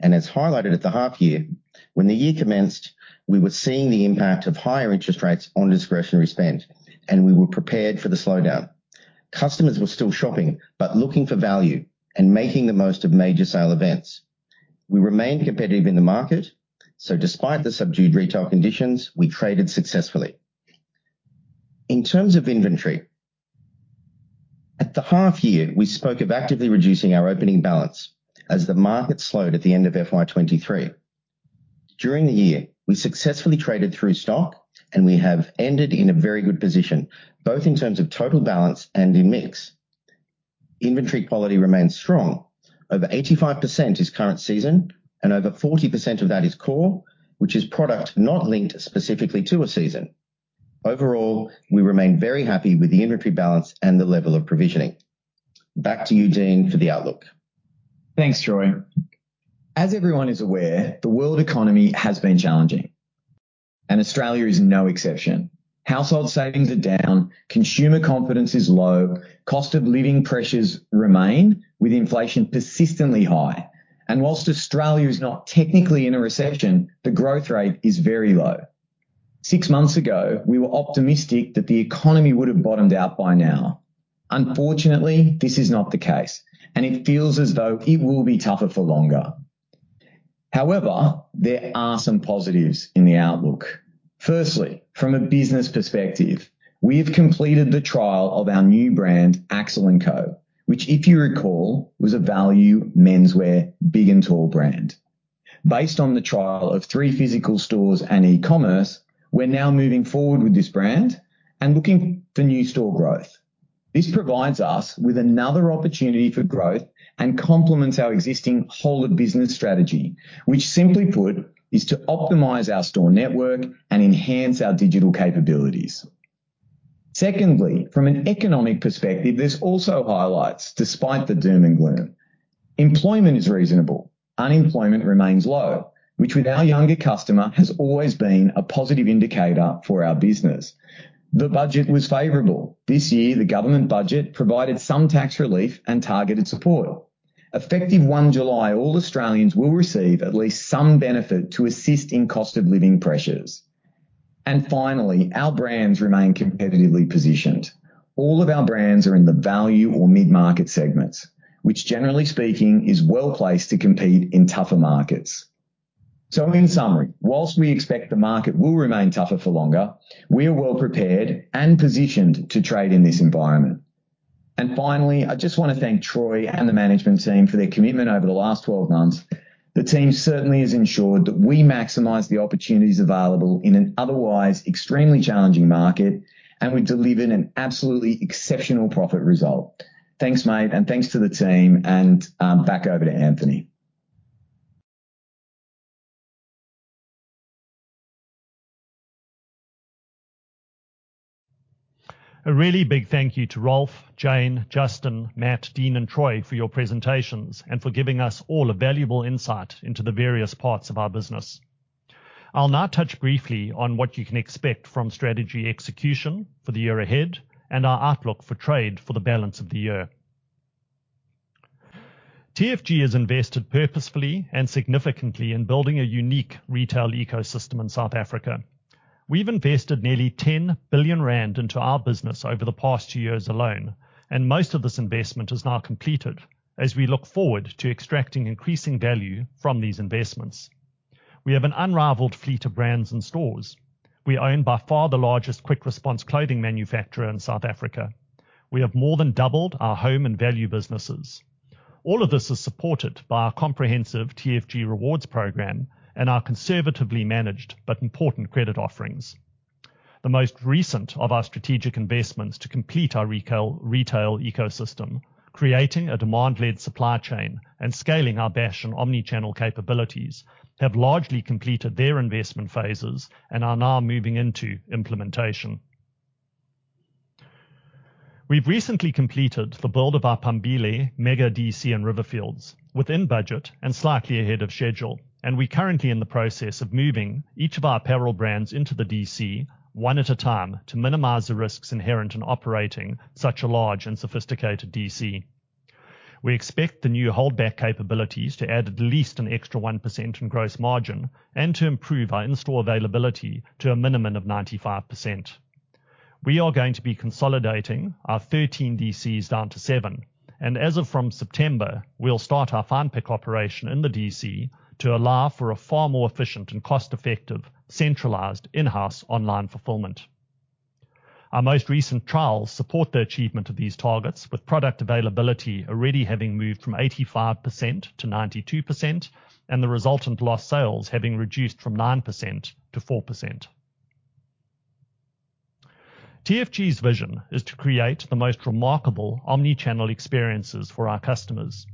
As highlighted at the half-year, when the year commenced, we were seeing the impact of higher interest rates on discretionary spend, and we were prepared for the slowdown. Customers were still shopping, but looking for value and making the most of major sale events. We remained competitive in the market, so despite the subdued retail conditions, we traded successfully. In terms of inventory, at the half-year, we spoke of actively reducing our opening balance as the market slowed at the end of FY23. During the year, we successfully traded through stock, and we have ended in a very good position, both in terms of total balance and in mix. Inventory quality remains strong. Over 85% is current season, and over 40% of that is core, which is product not linked specifically to a season. Overall, we remain very happy with the inventory balance and the level of provisioning. Back to you, Jane, for the outlook. Thanks, Troy. As everyone is aware, the world economy has been challenging, and Australia is no exception. Household savings are down, consumer confidence is low, cost of living pressures remain, with inflation persistently high. While Australia is not technically in a recession, the growth rate is very low. Six months ago, we were optimistic that the economy would have bottomed out by now. Unfortunately, this is not the case, and it feels as though it will be tougher for longer. However, there are some positives in the outlook. Firstly, from a business perspective, we have completed the trial of our new brand, Axel & Co, which, if you recall, was a value menswear big and tall brand. Based on the trial of three physical stores and e-commerce, we're now moving forward with this brand and looking for new store growth. This provides us with another opportunity for growth and complements our existing whole-of-business strategy, which simply put is to optimize our store network and enhance our digital capabilities. Secondly, from an economic perspective, there's also highlights despite the doom and gloom. Employment is reasonable. Unemployment remains low, which with our younger customer has always been a positive indicator for our business. The budget was favorable. This year, the government budget provided some tax relief and targeted support. Effective 1 July, all Australians will receive at least some benefit to assist in cost of living pressures. And finally, our brands remain competitively positioned. All of our brands are in the value or mid-market segments, which generally speaking is well placed to compete in tougher markets. So in summary, while we expect the market will remain tougher for longer, we are well prepared and positioned to trade in this environment. And finally, I just want to thank Troy and the management team for their commitment over the last 12 months. The team certainly has ensured that we maximize the opportunities available in an otherwise extremely challenging market, and we've delivered an absolutely exceptional profit result. Thanks, mate, and thanks to the team, and back over to Anthony. A really big thank you to Ralph, Jane, Justin, Matt, Dean, and Troy for your presentations and for giving us all a valuable insight into the various parts of our business. I'll now touch briefly on what you can expect from strategy execution for the year ahead and our outlook for trade for the balance of the year. TFG has invested purposefully and significantly in building a unique retail ecosystem in South Africa. We've invested nearly 10 billion rand into our business over the past two years alone, and most of this investment is now completed as we look forward to extracting increasing value from these investments. We have an unrivaled fleet of brands and stores. We own by far the largest quick response clothing manufacturer in South Africa. We have more than doubled our home and value businesses. All of this is supported by our comprehensive TFG rewards program and our conservatively managed but important credit offerings. The most recent of our strategic investments to complete our retail ecosystem, creating a demand-led supply chain and scaling our Bash and omnichannel capabilities, have largely completed their investment phases and are now moving into implementation. We've recently completed the build of our Pambili, Mega, DC, and Riverfields within budget and slightly ahead of schedule, and we're currently in the process of moving each of our apparel brands into the DC one at a time to minimize the risks inherent in operating such a large and sophisticated DC. We expect the new hanging capabilities to add at least an extra 1% in gross margin and to improve our in-store availability to a minimum of 95%. We are going to be consolidating our 13 DCs down to 7, and as of from September, we'll start our fine pick operation in the DC to allow for a far more efficient and cost-effective centralized in-house online fulfillment. Our most recent trials support the achievement of these targets, with product availability already having moved from 85% to 92% and the resultant lost sales having reduced from 9% to 4%. TFG's vision is to create the most remarkable omnichannel experiences for our customers.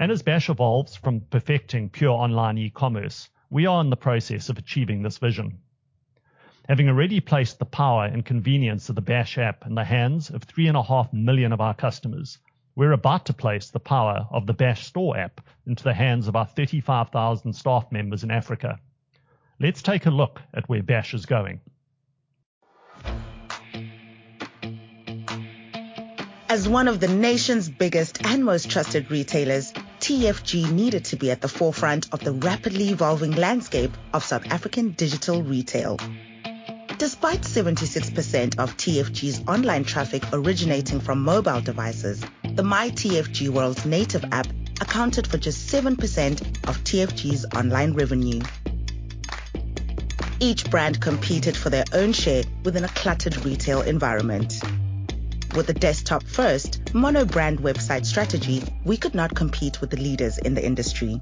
And as Bash evolves from perfecting pure online e-commerce, we are in the process of achieving this vision. Having already placed the power and convenience of the Bash app in the hands of 3.5 million of our customers, we're about to place the power of the Bash store app into the hands of our 35,000 staff members in Africa. Let's take a look at where Bash is going. As one of the nation's biggest and most trusted retailers, TFG needed to be at the forefront of the rapidly evolving landscape of South African digital retail. Despite 76% of TFG's online traffic originating from mobile devices, the myTFGworld's native app accounted for just 7% of TFG's online revenue. Each brand competed for their own share within a cluttered retail environment. With a desktop-first, monobrand website strategy, we could not compete with the leaders in the industry.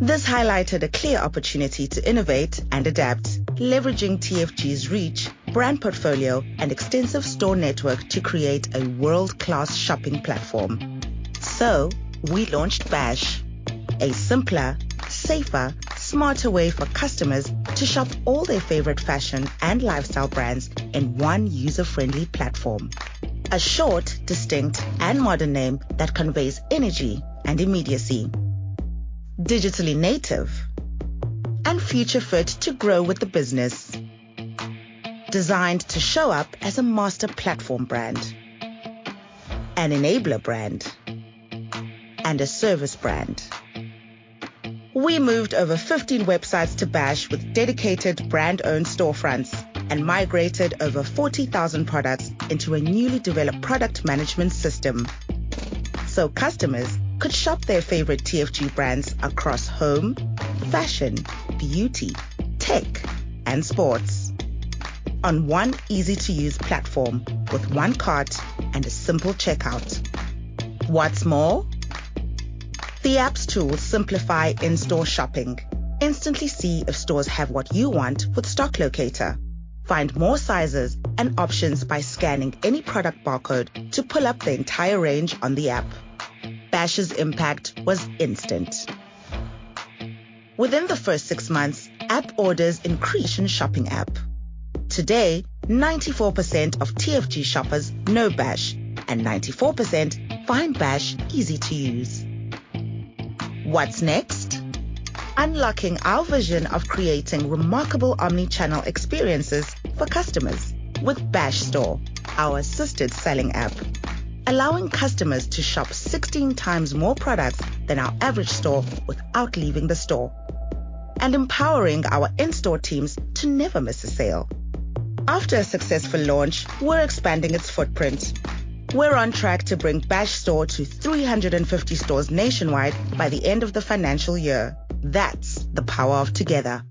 This highlighted a clear opportunity to innovate and adapt, leveraging TFG's reach, brand portfolio, and extensive store network to create a world-class shopping platform. So we launched Bash, a simpler, safer, smarter way for customers to shop all their favorite fashion and lifestyle brands in one user-friendly platform. A short, distinct, and modern name that conveys energy and immediacy, digitally native, and future-fit to grow with the business. Designed to show up as a master platform brand, an enabler brand, and a service brand. We moved over 15 websites to Bash with dedicated brand-owned storefronts and migrated over 40,000 products into a newly developed product management system so customers could shop their favorite TFG brands across home, fashion, beauty, tech, and sports on one easy-to-use platform with one cart and a simple checkout. What's more? The app's tools simplify in-store shopping. Instantly see if stores have what you want with Stock Locator. Find more sizes and options by scanning any product barcode to pull up the entire range on the app. Bash's impact was instant. Within the first six months, app orders increased. Fashion shopping app. Today, 94% of TFG shoppers know Bash, and 94% find Bash easy to use. What's next? Unlocking our vision of creating remarkable omnichannel experiences for customers with Bash Store, our assisted selling app, allowing customers to shop 16 times more products than our average store without leaving the store and empowering our in-store teams to never miss a sale. After a successful launch, we're expanding its footprint. We're on track to bring Bash Store to 350 stores nationwide by the end of the financial year. That's the power of together.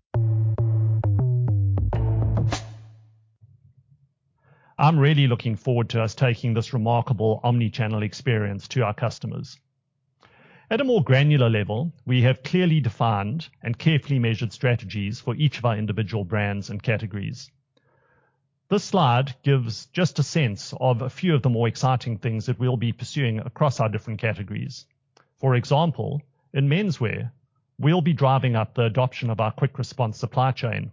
I'm really looking forward to us taking this remarkable omnichannel experience to our customers. At a more granular level, we have clearly defined and carefully measured strategies for each of our individual brands and categories. This slide gives just a sense of a few of the more exciting things that we'll be pursuing across our different categories. For example, in menswear, we'll be driving up the adoption of our quick response supply chain.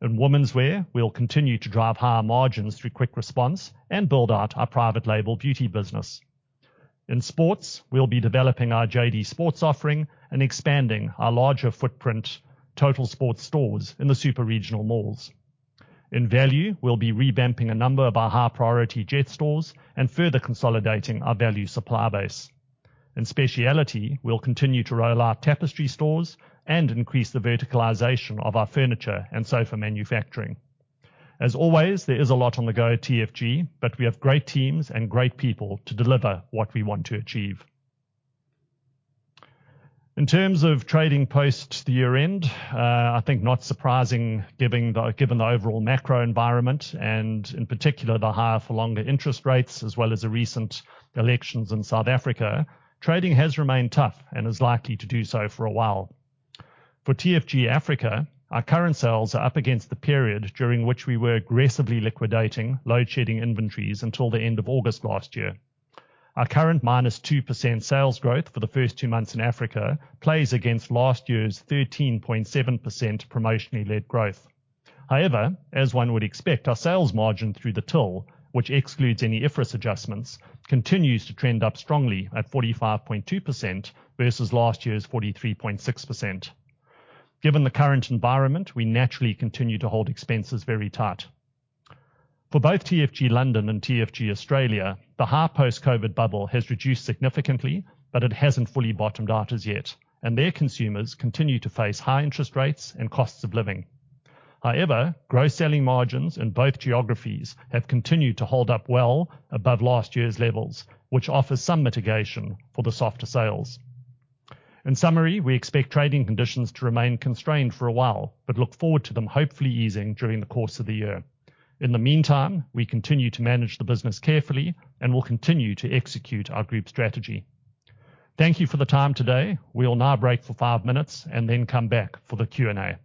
In womenswear, we'll continue to drive higher margins through quick response and build out our private label beauty business. In sports, we'll be developing our JD Sports offering and expanding our larger footprint Totalsports stores in the super regional malls. In value, we'll be revamping a number of our high-priority Jet stores and further consolidating our value supply base. In specialty, we'll continue to roll out Tapestry stores and increase the verticalization of our furniture and sofa manufacturing. As always, there is a lot on the go at TFG, but we have great teams and great people to deliver what we want to achieve. In terms of trading post the year-end, I think not surprising given the overall macro environment and in particular the higher-for-longer interest rates, as well as the recent elections in South Africa, trading has remained tough and is likely to do so for a while. For TFG Africa, our current sales are up against the period during which we were aggressively liquidating load shedding inventories until the end of August last year. Our current -2% sales growth for the first two months in Africa plays against last year's 13.7% promotionally-led growth. However, as one would expect, our sales margin through the till, which excludes any IFRS adjustments, continues to trend up strongly at 45.2% versus last year's 43.6%. Given the current environment, we naturally continue to hold expenses very tight. For both TFG London and TFG Australia, the high post-COVID bubble has reduced significantly, but it hasn't fully bottomed out as yet, and their consumers continue to face high interest rates and costs of living. However, gross selling margins in both geographies have continued to hold up well above last year's levels, which offers some mitigation for the softer sales. In summary, we expect trading conditions to remain constrained for a while, but look forward to them hopefully easing during the course of the year. In the meantime, we continue to manage the business carefully and will continue to execute our group strategy. Thank you for the time today. We'll now break for five minutes and then come back for the Q&A.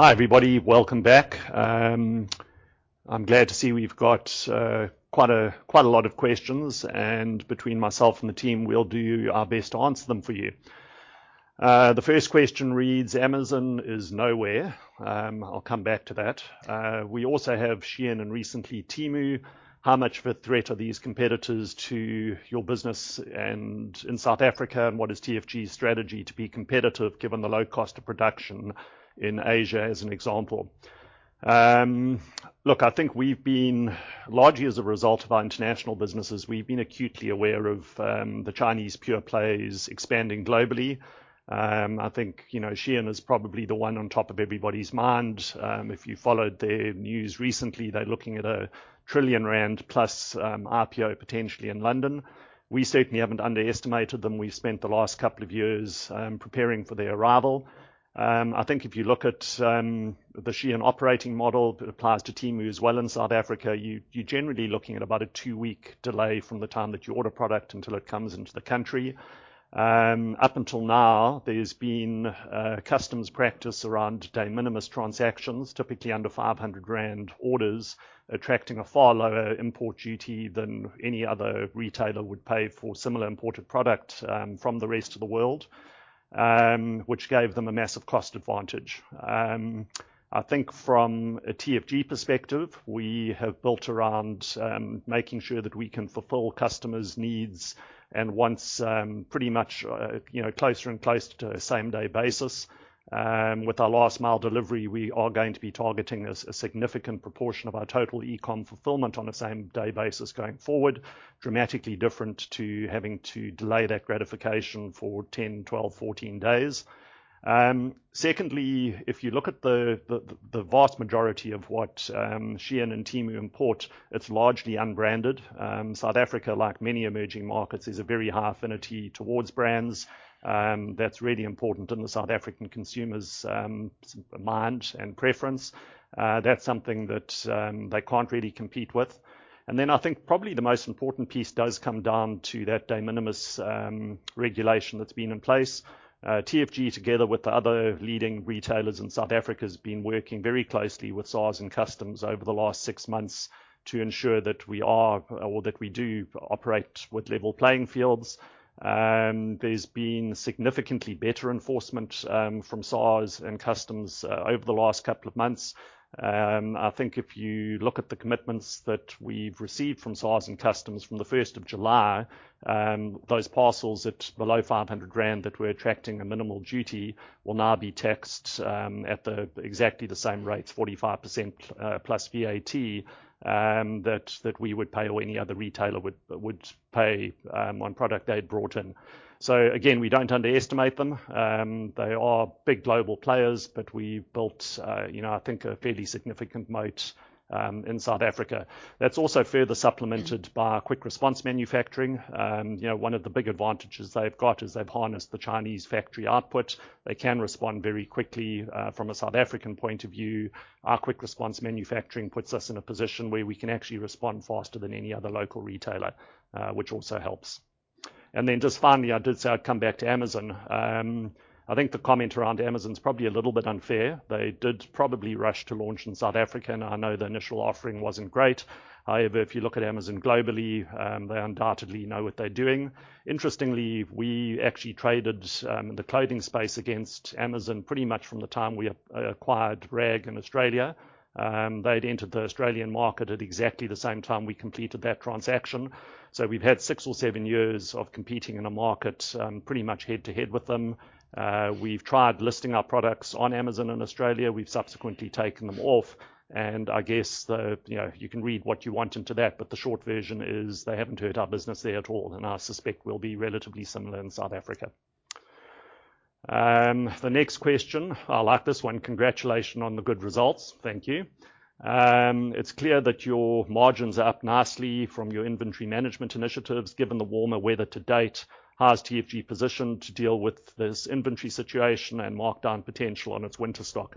Hi, everybody. Welcome back. I'm glad to see we've got quite a lot of questions, and between myself and the team, we'll do our best to answer them for you. The first question reads, "Amazon is nowhere." I'll come back to that. We also have SHEIN, and recently, Temu. How much of a threat are these competitors to your business in South Africa, and what is TFG's strategy to be competitive given the low cost of production in Asia, as an example? Look, I think we've been, largely as a result of our international businesses, we've been acutely aware of the Chinese pure plays expanding globally. I think SHEIN is probably the one on top of everybody's mind. If you followed the news recently, they're looking at a 1 trillion rand-plus IPO potentially in London. We certainly haven't underestimated them. We've spent the last couple of years preparing for their arrival. I think if you look at the SHEIN operating model, it applies to Temu as well in South Africa, you're generally looking at about a two-week delay from the time that you order product until it comes into the country. Up until now, there's been customs practice around de minimis transactions, typically under 500 rand orders, attracting a far lower import duty than any other retailer would pay for similar imported product from the rest of the world, which gave them a massive cost advantage. I think from a TFG perspective, we have built around making sure that we can fulfill customers' needs, and once pretty much closer and closer to a same-day basis, with our last-mile delivery, we are going to be targeting a significant proportion of our total e-com fulfillment on a same-day basis going forward, dramatically different to having to delay that gratification for 10, 12, 14 days. Secondly, if you look at the vast majority of what SHEIN and Temu import, it's largely unbranded. South Africa, like many emerging markets, is a very high affinity towards brands. That's really important in the South African consumer's mind and preference. That's something that they can't really compete with. And then I think probably the most important piece does come down to that de minimis regulation that's been in place. TFG, together with the other leading retailers in South Africa, has been working very closely with SARS and customs over the last 6 months to ensure that we are or that we do operate with level playing fields. There's been significantly better enforcement from SARS and customs over the last couple of months. I think if you look at the commitments that we've received from SARS and customs from the 1st of July, those parcels at below 500 that were attracting a minimal duty will now be taxed at exactly the same rates, 45% plus VAT that we would pay or any other retailer would pay on product they'd brought in. So again, we don't underestimate them. They are big global players, but we've built, I think, a fairly significant moat in South Africa. That's also further supplemented by our quick response manufacturing. One of the big advantages they've got is they've harnessed the Chinese factory output. They can respond very quickly from a South African point of view. Our quick response manufacturing puts us in a position where we can actually respond faster than any other local retailer, which also helps. And then just finally, I did say I'd come back to Amazon. I think the comment around Amazon's probably a little bit unfair. They did probably rush to launch in South Africa, and I know the initial offering wasn't great. However, if you look at Amazon globally, they undoubtedly know what they're doing. Interestingly, we actually traded the clothing space against Amazon pretty much from the time we acquired RAG in Australia. They'd entered the Australian market at exactly the same time we completed that transaction. So we've had six or seven years of competing in a market pretty much head-to-head with them. We've tried listing our products on Amazon in Australia. We've subsequently taken them off. And I guess you can read what you want into that, but the short version is they haven't hurt our business there at all, and I suspect we'll be relatively similar in South Africa. The next question, I like this one. Congratulations on the good results. Thank you. It's clear that your margins are up nicely from your inventory management initiatives. Given the warmer weather to date, how's TFG positioned to deal with this inventory situation and markdown potential on its winter stock?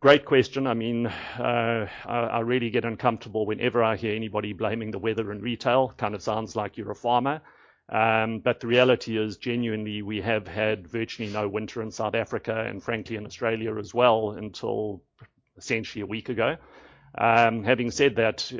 Great question. I mean, I really get uncomfortable whenever I hear anybody blaming the weather in retail. Kind of sounds like you're a farmer. But the reality is, genuinely, we have had virtually no winter in South Africa, and frankly, in Australia as well until essentially a week ago. Having said that,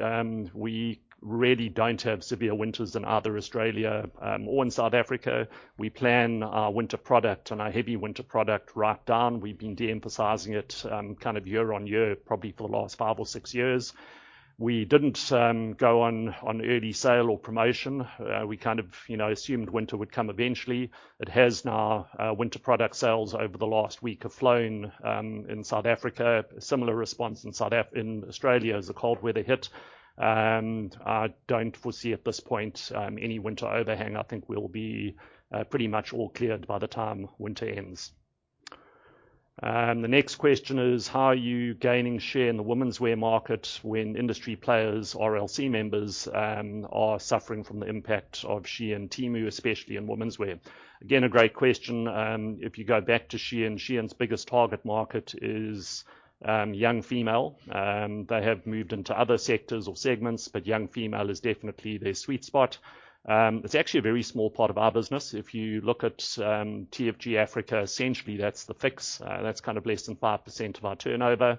we really don't have severe winters in either Australia or in South Africa. We plan our winter product and our heavy winter product right down. We've been de-emphasizing it kind of year on year, probably for the last five or six years. We didn't go on early sale or promotion. We kind of assumed winter would come eventually. It has now. Winter product sales over the last week have flown in South Africa. Similar response in Australia as the cold weather hit. I don't foresee at this point any winter overhang. I think we'll be pretty much all cleared by the time winter ends. The next question is, how are you gaining share in the women's wear market when industry players, RLC members, are suffering from the impact of SHEIN and Temu, especially in women's wear? Again, a great question. If you go back to SHEIN, SHEIN's biggest target market is young female. They have moved into other sectors or segments, but young female is definitely their sweet spot. It's actually a very small part of our business. If you look at TFG Africa, essentially, that's The Fix. That's kind of less than 5% of our turnover.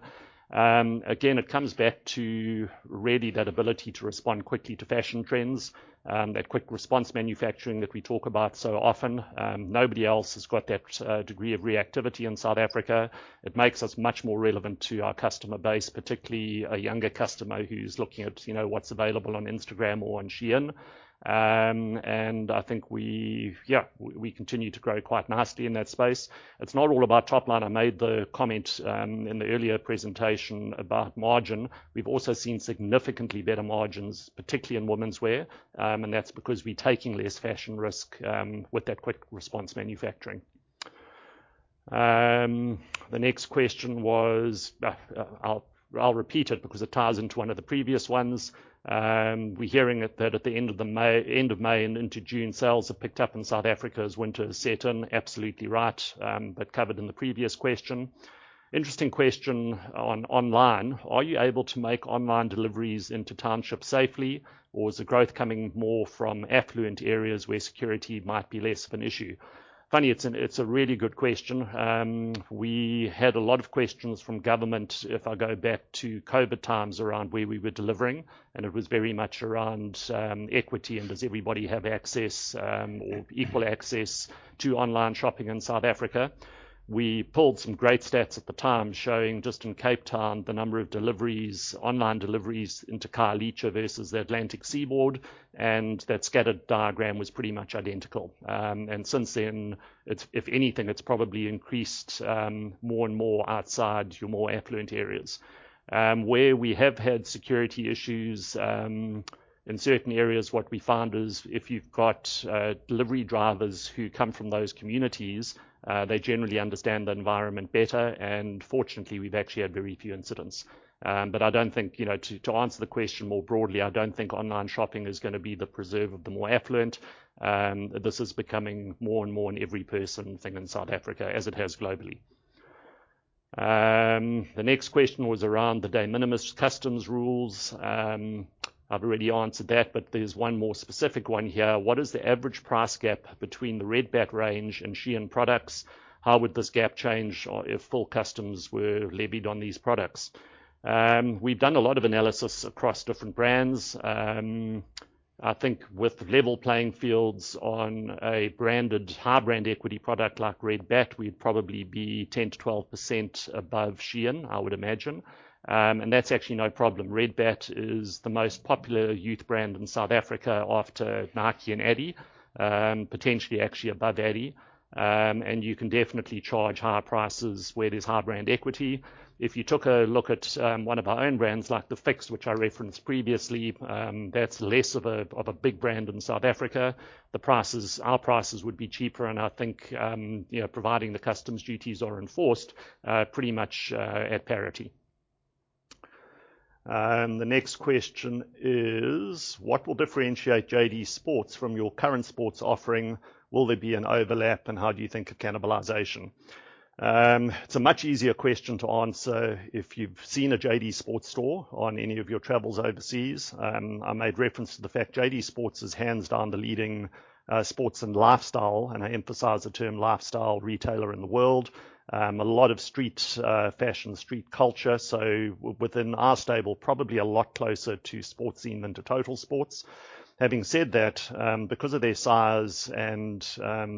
Again, it comes back to really that ability to respond quickly to fashion trends, that quick response manufacturing that we talk about so often. Nobody else has got that degree of reactivity in South Africa. It makes us much more relevant to our customer base, particularly a younger customer who's looking at what's available on Instagram or on SHEIN. And I think we, yeah, we continue to grow quite nicely in that space. It's not all about top line. I made the comment in the earlier presentation about margin. We've also seen significantly better margins, particularly in women's wear. And that's because we're taking less fashion risk with that quick response manufacturing. The next question was, I'll repeat it because it ties into one of the previous ones. We're hearing that at the end of May and into June, sales have picked up in South Africa as winter has set in. Absolutely right, but covered in the previous question. Interesting question online. Are you able to make online deliveries into townships safely, or is the growth coming more from affluent areas where security might be less of an issue? Funny, it's a really good question. We had a lot of questions from government. If I go back to COVID times around where we were delivering, and it was very much around equity and does everybody have access or equal access to online shopping in South Africa. We pulled some great stats at the time showing just in Cape Town the number of deliveries, online deliveries into Khayelitsha versus the Atlantic Seaboard, and that scattered diagram was pretty much identical. And since then, if anything, it's probably increased more and more outside your more affluent areas. Where we have had security issues in certain areas, what we found is if you've got delivery drivers who come from those communities, they generally understand the environment better. Fortunately, we've actually had very few incidents. I don't think, to answer the question more broadly, I don't think online shopping is going to be the preserve of the more affluent. This is becoming more and more an every person thing in South Africa as it has globally. The next question was around the de minimis customs rules. I've already answered that, but there's one more specific one here. What is the average price gap between the Red Bat range and SHEIN products? How would this gap change if full customs were levied on these products? We've done a lot of analysis across different brands. I think with level playing fields on a branded, high-brand equity product like Red Bat, we'd probably be 10%-12% above SHEIN, I would imagine. And that's actually no problem. Red Bat is the most popular youth brand in South Africa after Nike and adidas, potentially actually above adidas. And you can definitely charge higher prices where there's high-brand equity. If you took a look at one of our own brands like The Fix, which I referenced previously, that's less of a big brand in South Africa. Our prices would be cheaper, and I think providing the customs duties are enforced pretty much at parity. The next question is, what will differentiate JD Sports from your current sports offering? Will there be an overlap, and how do you think of cannibalization? It's a much easier question to answer if you've seen a JD Sports store on any of your travels overseas. I made reference to the fact JD Sports is hands down the leading sports and lifestyle, and I emphasize the term lifestyle retailer in the world. A lot of street fashion, street culture. So within our stable, probably a lot closer to Sportscene than to Totalsports. Having said that, because of their size and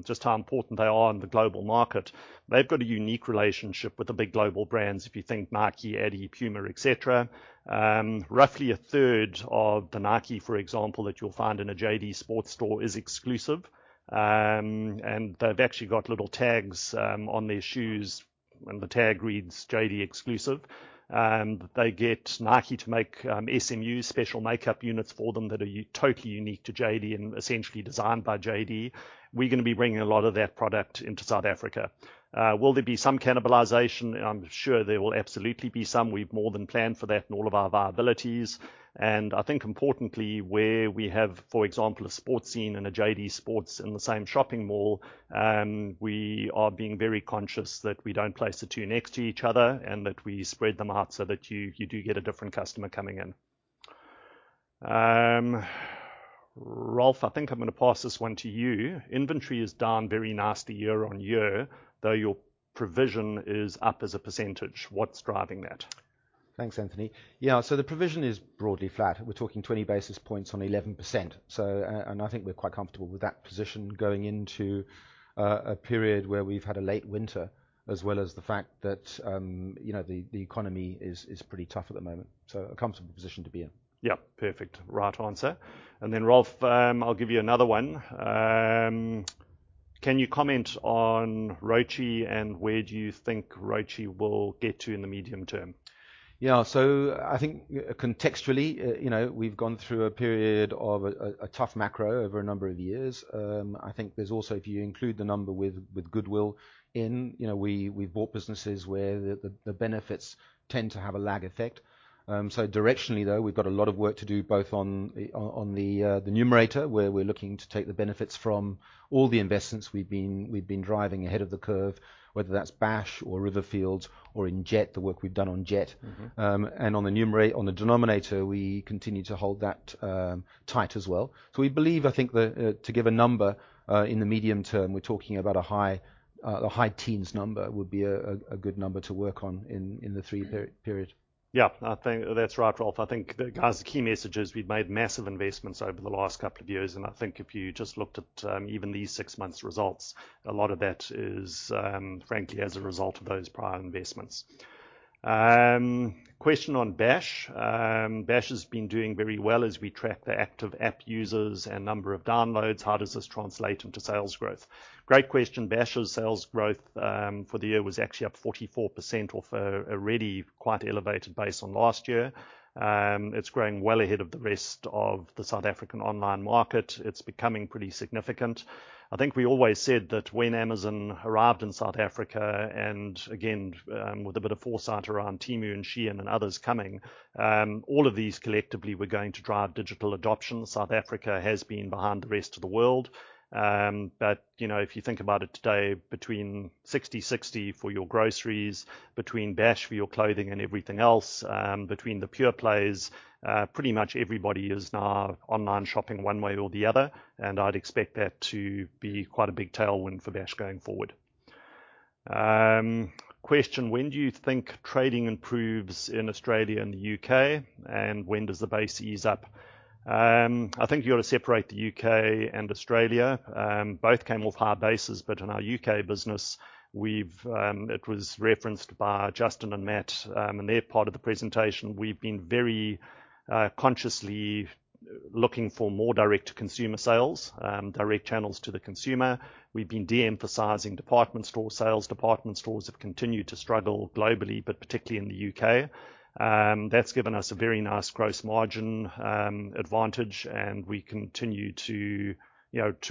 just how important they are in the global market, they've got a unique relationship with the big global brands, if you think Nike, Adidas, Puma, etc. Roughly a third of the Nike, for example, that you'll find in a JD Sports store is exclusive. And they've actually got little tags on their shoes, and the tag reads JD Exclusive. They get Nike to make SMU special makeup units for them that are totally unique to JD and essentially designed by JD. We're going to be bringing a lot of that product into South Africa. Will there be some cannibalization? I'm sure there will absolutely be some. We've more than planned for that in all of our viabilities. And I think importantly, where we have, for example, a Sportscene and a JD Sports in the same shopping mall, we are being very conscious that we don't place the two next to each other and that we spread them out so that you do get a different customer coming in. Ralph, I think I'm going to pass this one to you. Inventory is down very nicely year on year, though your provision is up as a percentage. What's driving that? Thanks, Anthony. Yeah, so the provision is broadly flat. We're talking 20 basis points on 11%. And I think we're quite comfortable with that position going into a period where we've had a late winter, as well as the fact that the economy is pretty tough at the moment. So a comfortable position to be in. Yep, perfect. Right answer. And then, Ralph, I'll give you another one. Can you comment on ROCE and where do you think ROCE will get to in the medium term? Yeah, so I think contextually, we've gone through a period of a tough macro over a number of years. I think there's also, if you include the number with goodwill in, we've bought businesses where the benefits tend to have a lag effect. So directionally, though, we've got a lot of work to do both on the numerator, where we're looking to take the benefits from all the investments we've been driving ahead of the curve, whether that's Bash or Riverfields or in Jet, the work we've done on Jet. And on the denominator, we continue to hold that tight as well. So we believe, I think, to give a number in the medium term, we're talking about a high teens number would be a good number to work on in the three-period. Yeah, I think that's right, Ralph. I think the key message is we've made massive investments over the last couple of years. And I think if you just looked at even these six months' results, a lot of that is, frankly, as a result of those prior investments. Question on Bash. Bash has been doing very well as we track the active app users and number of downloads. How does this translate into sales growth? Great question. Bash's sales growth for the year was actually up 44% off a really quite elevated base on last year. It's growing well ahead of the rest of the South African online market. It's becoming pretty significant. I think we always said that when Amazon arrived in South Africa, and again, with a bit of foresight around Temu and SHEIN and others coming, all of these collectively were going to drive digital adoption. South Africa has been behind the rest of the world. But if you think about it today, between Sixty60 for your groceries, between Bash for your clothing and everything else, between the pure players, pretty much everybody is now online shopping one way or the other. I'd expect that to be quite a big tailwind for Bash going forward. Question, when do you think trading improves in Australia and the UK, and when does the base ease up? I think you've got to separate the UK and Australia. Both came off high bases, but in our UK business, it was referenced by Justin and Matt in their part of the presentation. We've been very consciously looking for more direct-to-consumer sales, direct channels to the consumer. We've been de-emphasizing department store sales. Department stores have continued to struggle globally, but particularly in the UK. That's given us a very nice gross margin advantage, and we continue to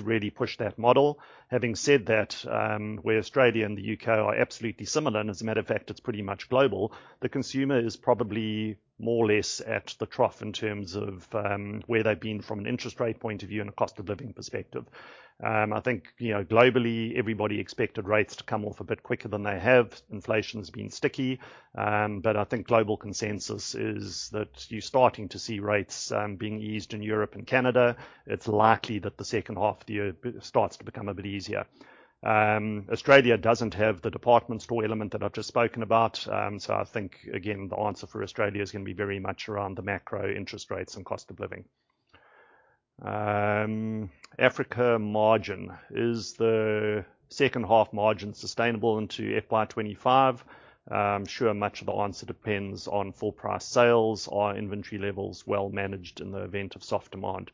really push that model. Having said that, where Australia and the UK are absolutely similar, and as a matter of fact, it's pretty much global, the consumer is probably more or less at the trough in terms of where they've been from an interest rate point of view and a cost of living perspective. I think globally, everybody expected rates to come off a bit quicker than they have. Inflation has been sticky. But I think global consensus is that you're starting to see rates being eased in Europe and Canada. It's likely that the second half of the year starts to become a bit easier. Australia doesn't have the department store element that I've just spoken about. So I think, again, the answer for Australia is going to be very much around the macro interest rates and cost of living. Africa margin. Is the second half margin sustainable into FY25? I'm sure much of the answer depends on full price sales or inventory levels well managed in the event of soft demand.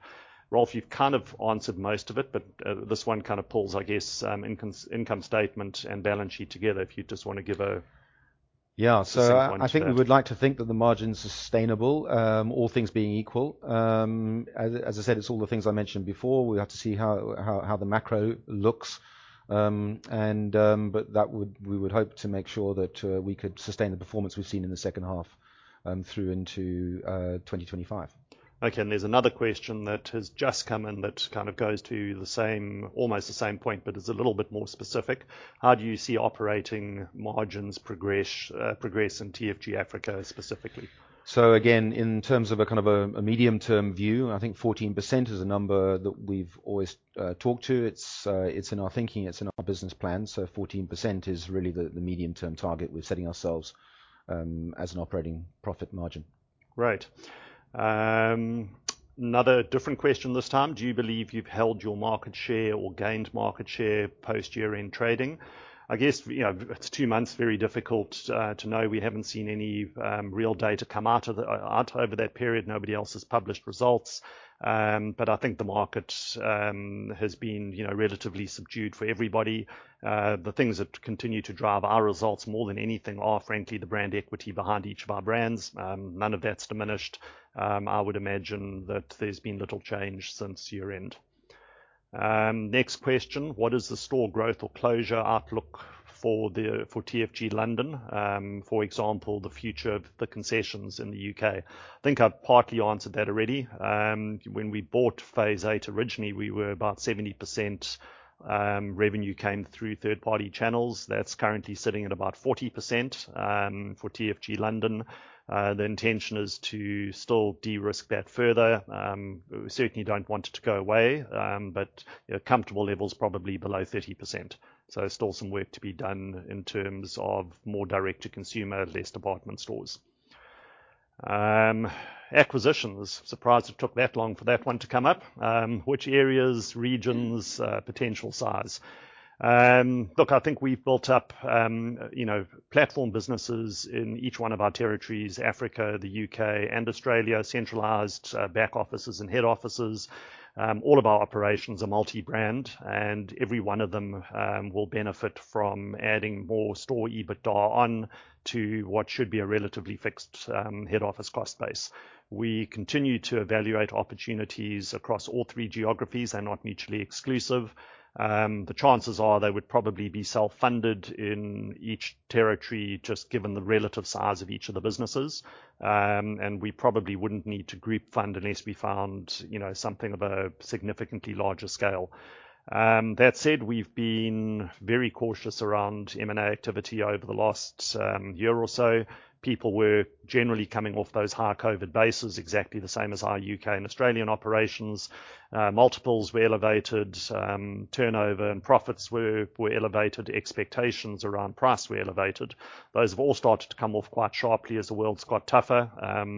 Ralph, you've kind of answered most of it, but this one kind of pulls, I guess, income statement and balance sheet together if you just want to give a concise answer. Yeah, so I think we would like to think that the margin's sustainable, all things being equal. As I said, it's all the things I mentioned before. We have to see how the macro looks. But we would hope to make sure that we could sustain the performance we've seen in the second half through into 2025. Okay, and there's another question that has just come in that kind of goes to almost the same point, but it's a little bit more specific. How do you see operating margins progress in TFG Africa specifically? So again, in terms of a kind of a medium-term view, I think 14% is a number that we've always talked to. It's in our thinking. It's in our business plan. So 14% is really the medium-term target we're setting ourselves as an operating profit margin. Right. Another different question this time. Do you believe you've held your market share or gained market share post-year-end trading? I guess it's two months, very difficult to know. We haven't seen any real data come out over that period. Nobody else has published results. But I think the market has been relatively subdued for everybody. The things that continue to drive our results more than anything are, frankly, the brand equity behind each of our brands. None of that's diminished. I would imagine that there's been little change since year-end. Next question, what is the store growth or closure outlook for TFG London, for example, the future of the concessions in the UK? I think I've partly answered that already. When we bought Phase Eight originally, we were about 70% revenue came through third-party channels. That's currently sitting at about 40% for TFG London. The intention is to still de-risk that further. We certainly don't want it to go away, but comfortable levels probably below 30%. So still some work to be done in terms of more direct-to-consumer, less department stores. Acquisitions. Surprised it took that long for that one to come up. Which areas, regions, potential size? Look, I think we've built up platform businesses in each one of our territories: Africa, the UK, and Australia, centralized back offices and head offices. All of our operations are multi-brand, and every one of them will benefit from adding more store EBITDA on to what should be a relatively fixed head office cost base. We continue to evaluate opportunities across all three geographies. They're not mutually exclusive. The chances are they would probably be self-funded in each territory just given the relative size of each of the businesses. We probably wouldn't need to group fund unless we found something of a significantly larger scale. That said, we've been very cautious around M&A activity over the last year or so. People were generally coming off those high COVID bases, exactly the same as our UK and Australian operations. Multiples were elevated. Turnover and profits were elevated. Expectations around price were elevated. Those have all started to come off quite sharply as the world's got tougher.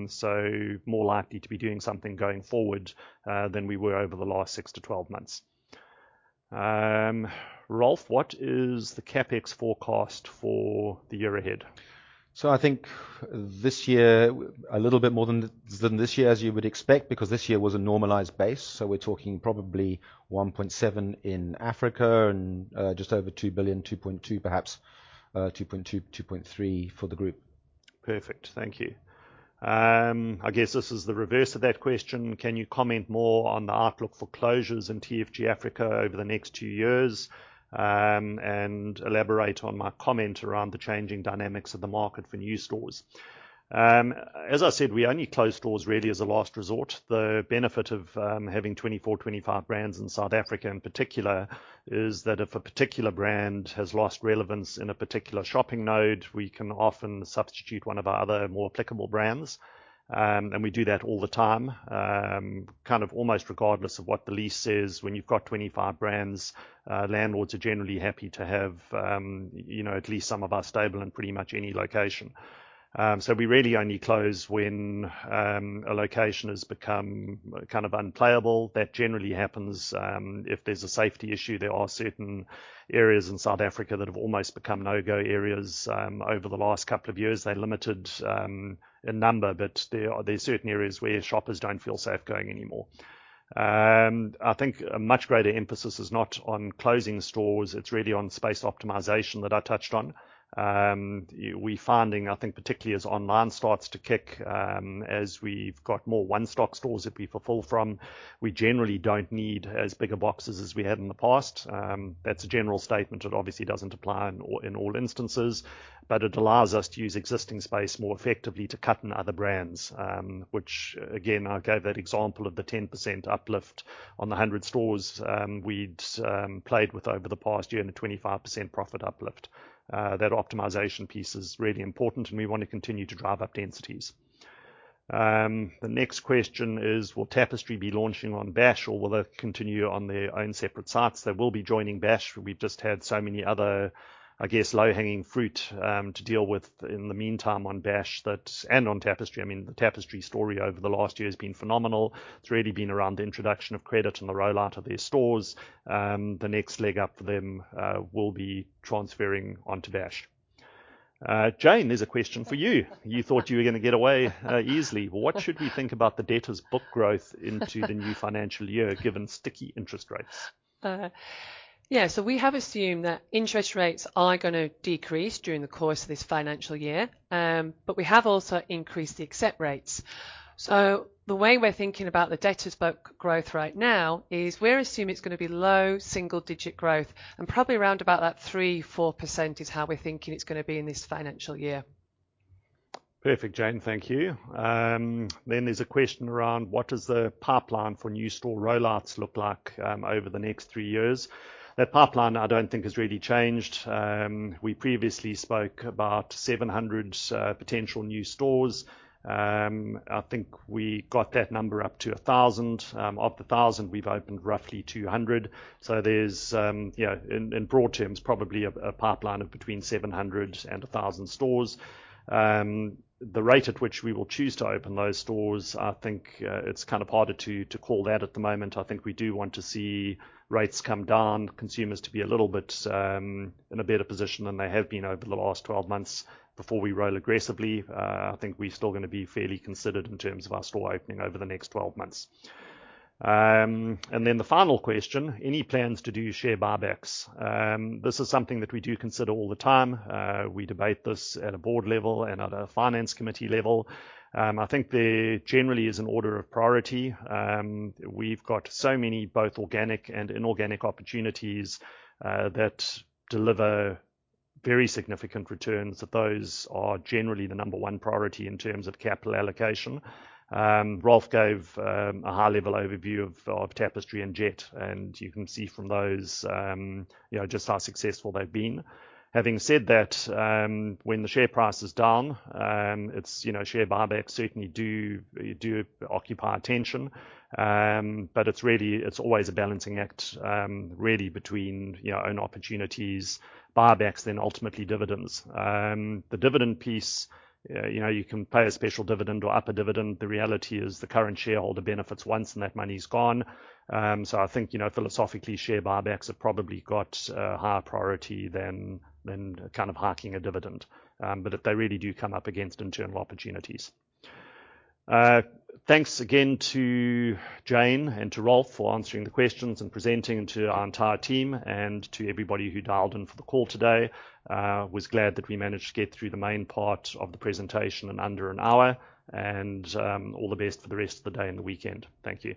So more likely to be doing something going forward than we were over the last 6 to 12 months. Ralph, what is the CapEx forecast for the year ahead? So I think this year, a little bit more than this year, as you would expect, because this year was a normalized base. So we're talking probably 1.7 billion in Africa and just over 2 billion, 2.2 billion perhaps, 2.2 billion, 2.3 billion for the group. Perfect. Thank you. I guess this is the reverse of that question. Can you comment more on the outlook for closures in TFG Africa over the next 2 years and elaborate on my comment around the changing dynamics of the market for new stores? As I said, we only close stores really as a last resort. The benefit of having 24, 25 brands in South Africa in particular is that if a particular brand has lost relevance in a particular shopping node, we can often substitute one of our other more applicable brands. And we do that all the time, kind of almost regardless of what the lease says. When you've got 25 brands, landlords are generally happy to have at least some of us stable in pretty much any location. So we really only close when a location has become kind of unplayable. That generally happens if there's a safety issue. There are certain areas in South Africa that have almost become no-go areas over the last couple of years. They're limited in number, but there are certain areas where shoppers don't feel safe going anymore. I think a much greater emphasis is not on closing stores. It's really on space optimization that I touched on. We're finding, I think, particularly as online starts to kick, as we've got more one-stock stores that we fulfill from, we generally don't need as big a box as we had in the past. That's a general statement. It obviously doesn't apply in all instances, but it allows us to use existing space more effectively to cut in other brands, which, again, I gave that example of the 10% uplift on the 100 stores we'd played with over the past year and a 25% profit uplift. That optimization piece is really important, and we want to continue to drive up densities. The next question is, will Tapestry be launching on Bash, or will they continue on their own separate sites? They will be joining Bash. We've just had so many other, I guess, low-hanging fruit to deal with in the meantime on Bash and on Tapestry. I mean, the Tapestry story over the last year has been phenomenal. It's really been around the introduction of Credit and the rollout of their stores. The next leg up for them will be transferring onto Bash. Jane, there's a question for you. You thought you were going to get away easily. What should we think about the debtor's book growth into the new financial year given sticky interest rates? Yeah, so we have assumed that interest rates are going to decrease during the course of this financial year, but we have also increased the accept rates. So the way we're thinking about the debtor's book growth right now is we're assuming it's going to be low single-digit growth, and probably around about that 3%-4% is how we're thinking it's going to be in this financial year. Perfect, Jane. Thank you. Then there's a question around what does the pipeline for new store rollouts look like over the next three years? That pipeline, I don't think, has really changed. We previously spoke about 700 potential new stores. I think we got that number up to 1,000. Of the 1,000, we've opened roughly 200. So there's, in broad terms, probably a pipeline of between 700-1,000 stores. The rate at which we will choose to open those stores, I think it's kind of harder to call that at the moment. I think we do want to see rates come down, consumers to be a little bit in a better position than they have been over the last 12 months before we roll aggressively. I think we're still going to be fairly considered in terms of our store opening over the next 12 months. And then the final question, any plans to do share buybacks? This is something that we do consider all the time. We debate this at a board level and at a finance committee level. I think there generally is an order of priority. We've got so many both organic and inorganic opportunities that deliver very significant returns that those are generally the number one priority in terms of capital allocation. Ralph gave a high-level overview of Tapestry and Jet, and you can see from those just how successful they've been. Having said that, when the share price is down, share buybacks certainly do occupy attention. But it's always a balancing act really between own opportunities, buybacks, then ultimately dividends. The dividend piece, you can pay a special dividend or upper dividend. The reality is the current shareholder benefits once, and that money's gone. So I think philosophically, share buybacks have probably got higher priority than kind of hiking a dividend, but they really do come up against internal opportunities. Thanks again to Jane and to Ralph for answering the questions and presenting to our entire team and to everybody who dialed in for the call today. I was glad that we managed to get through the main part of the presentation in under an hour. And all the best for the rest of the day and the weekend. Thank you.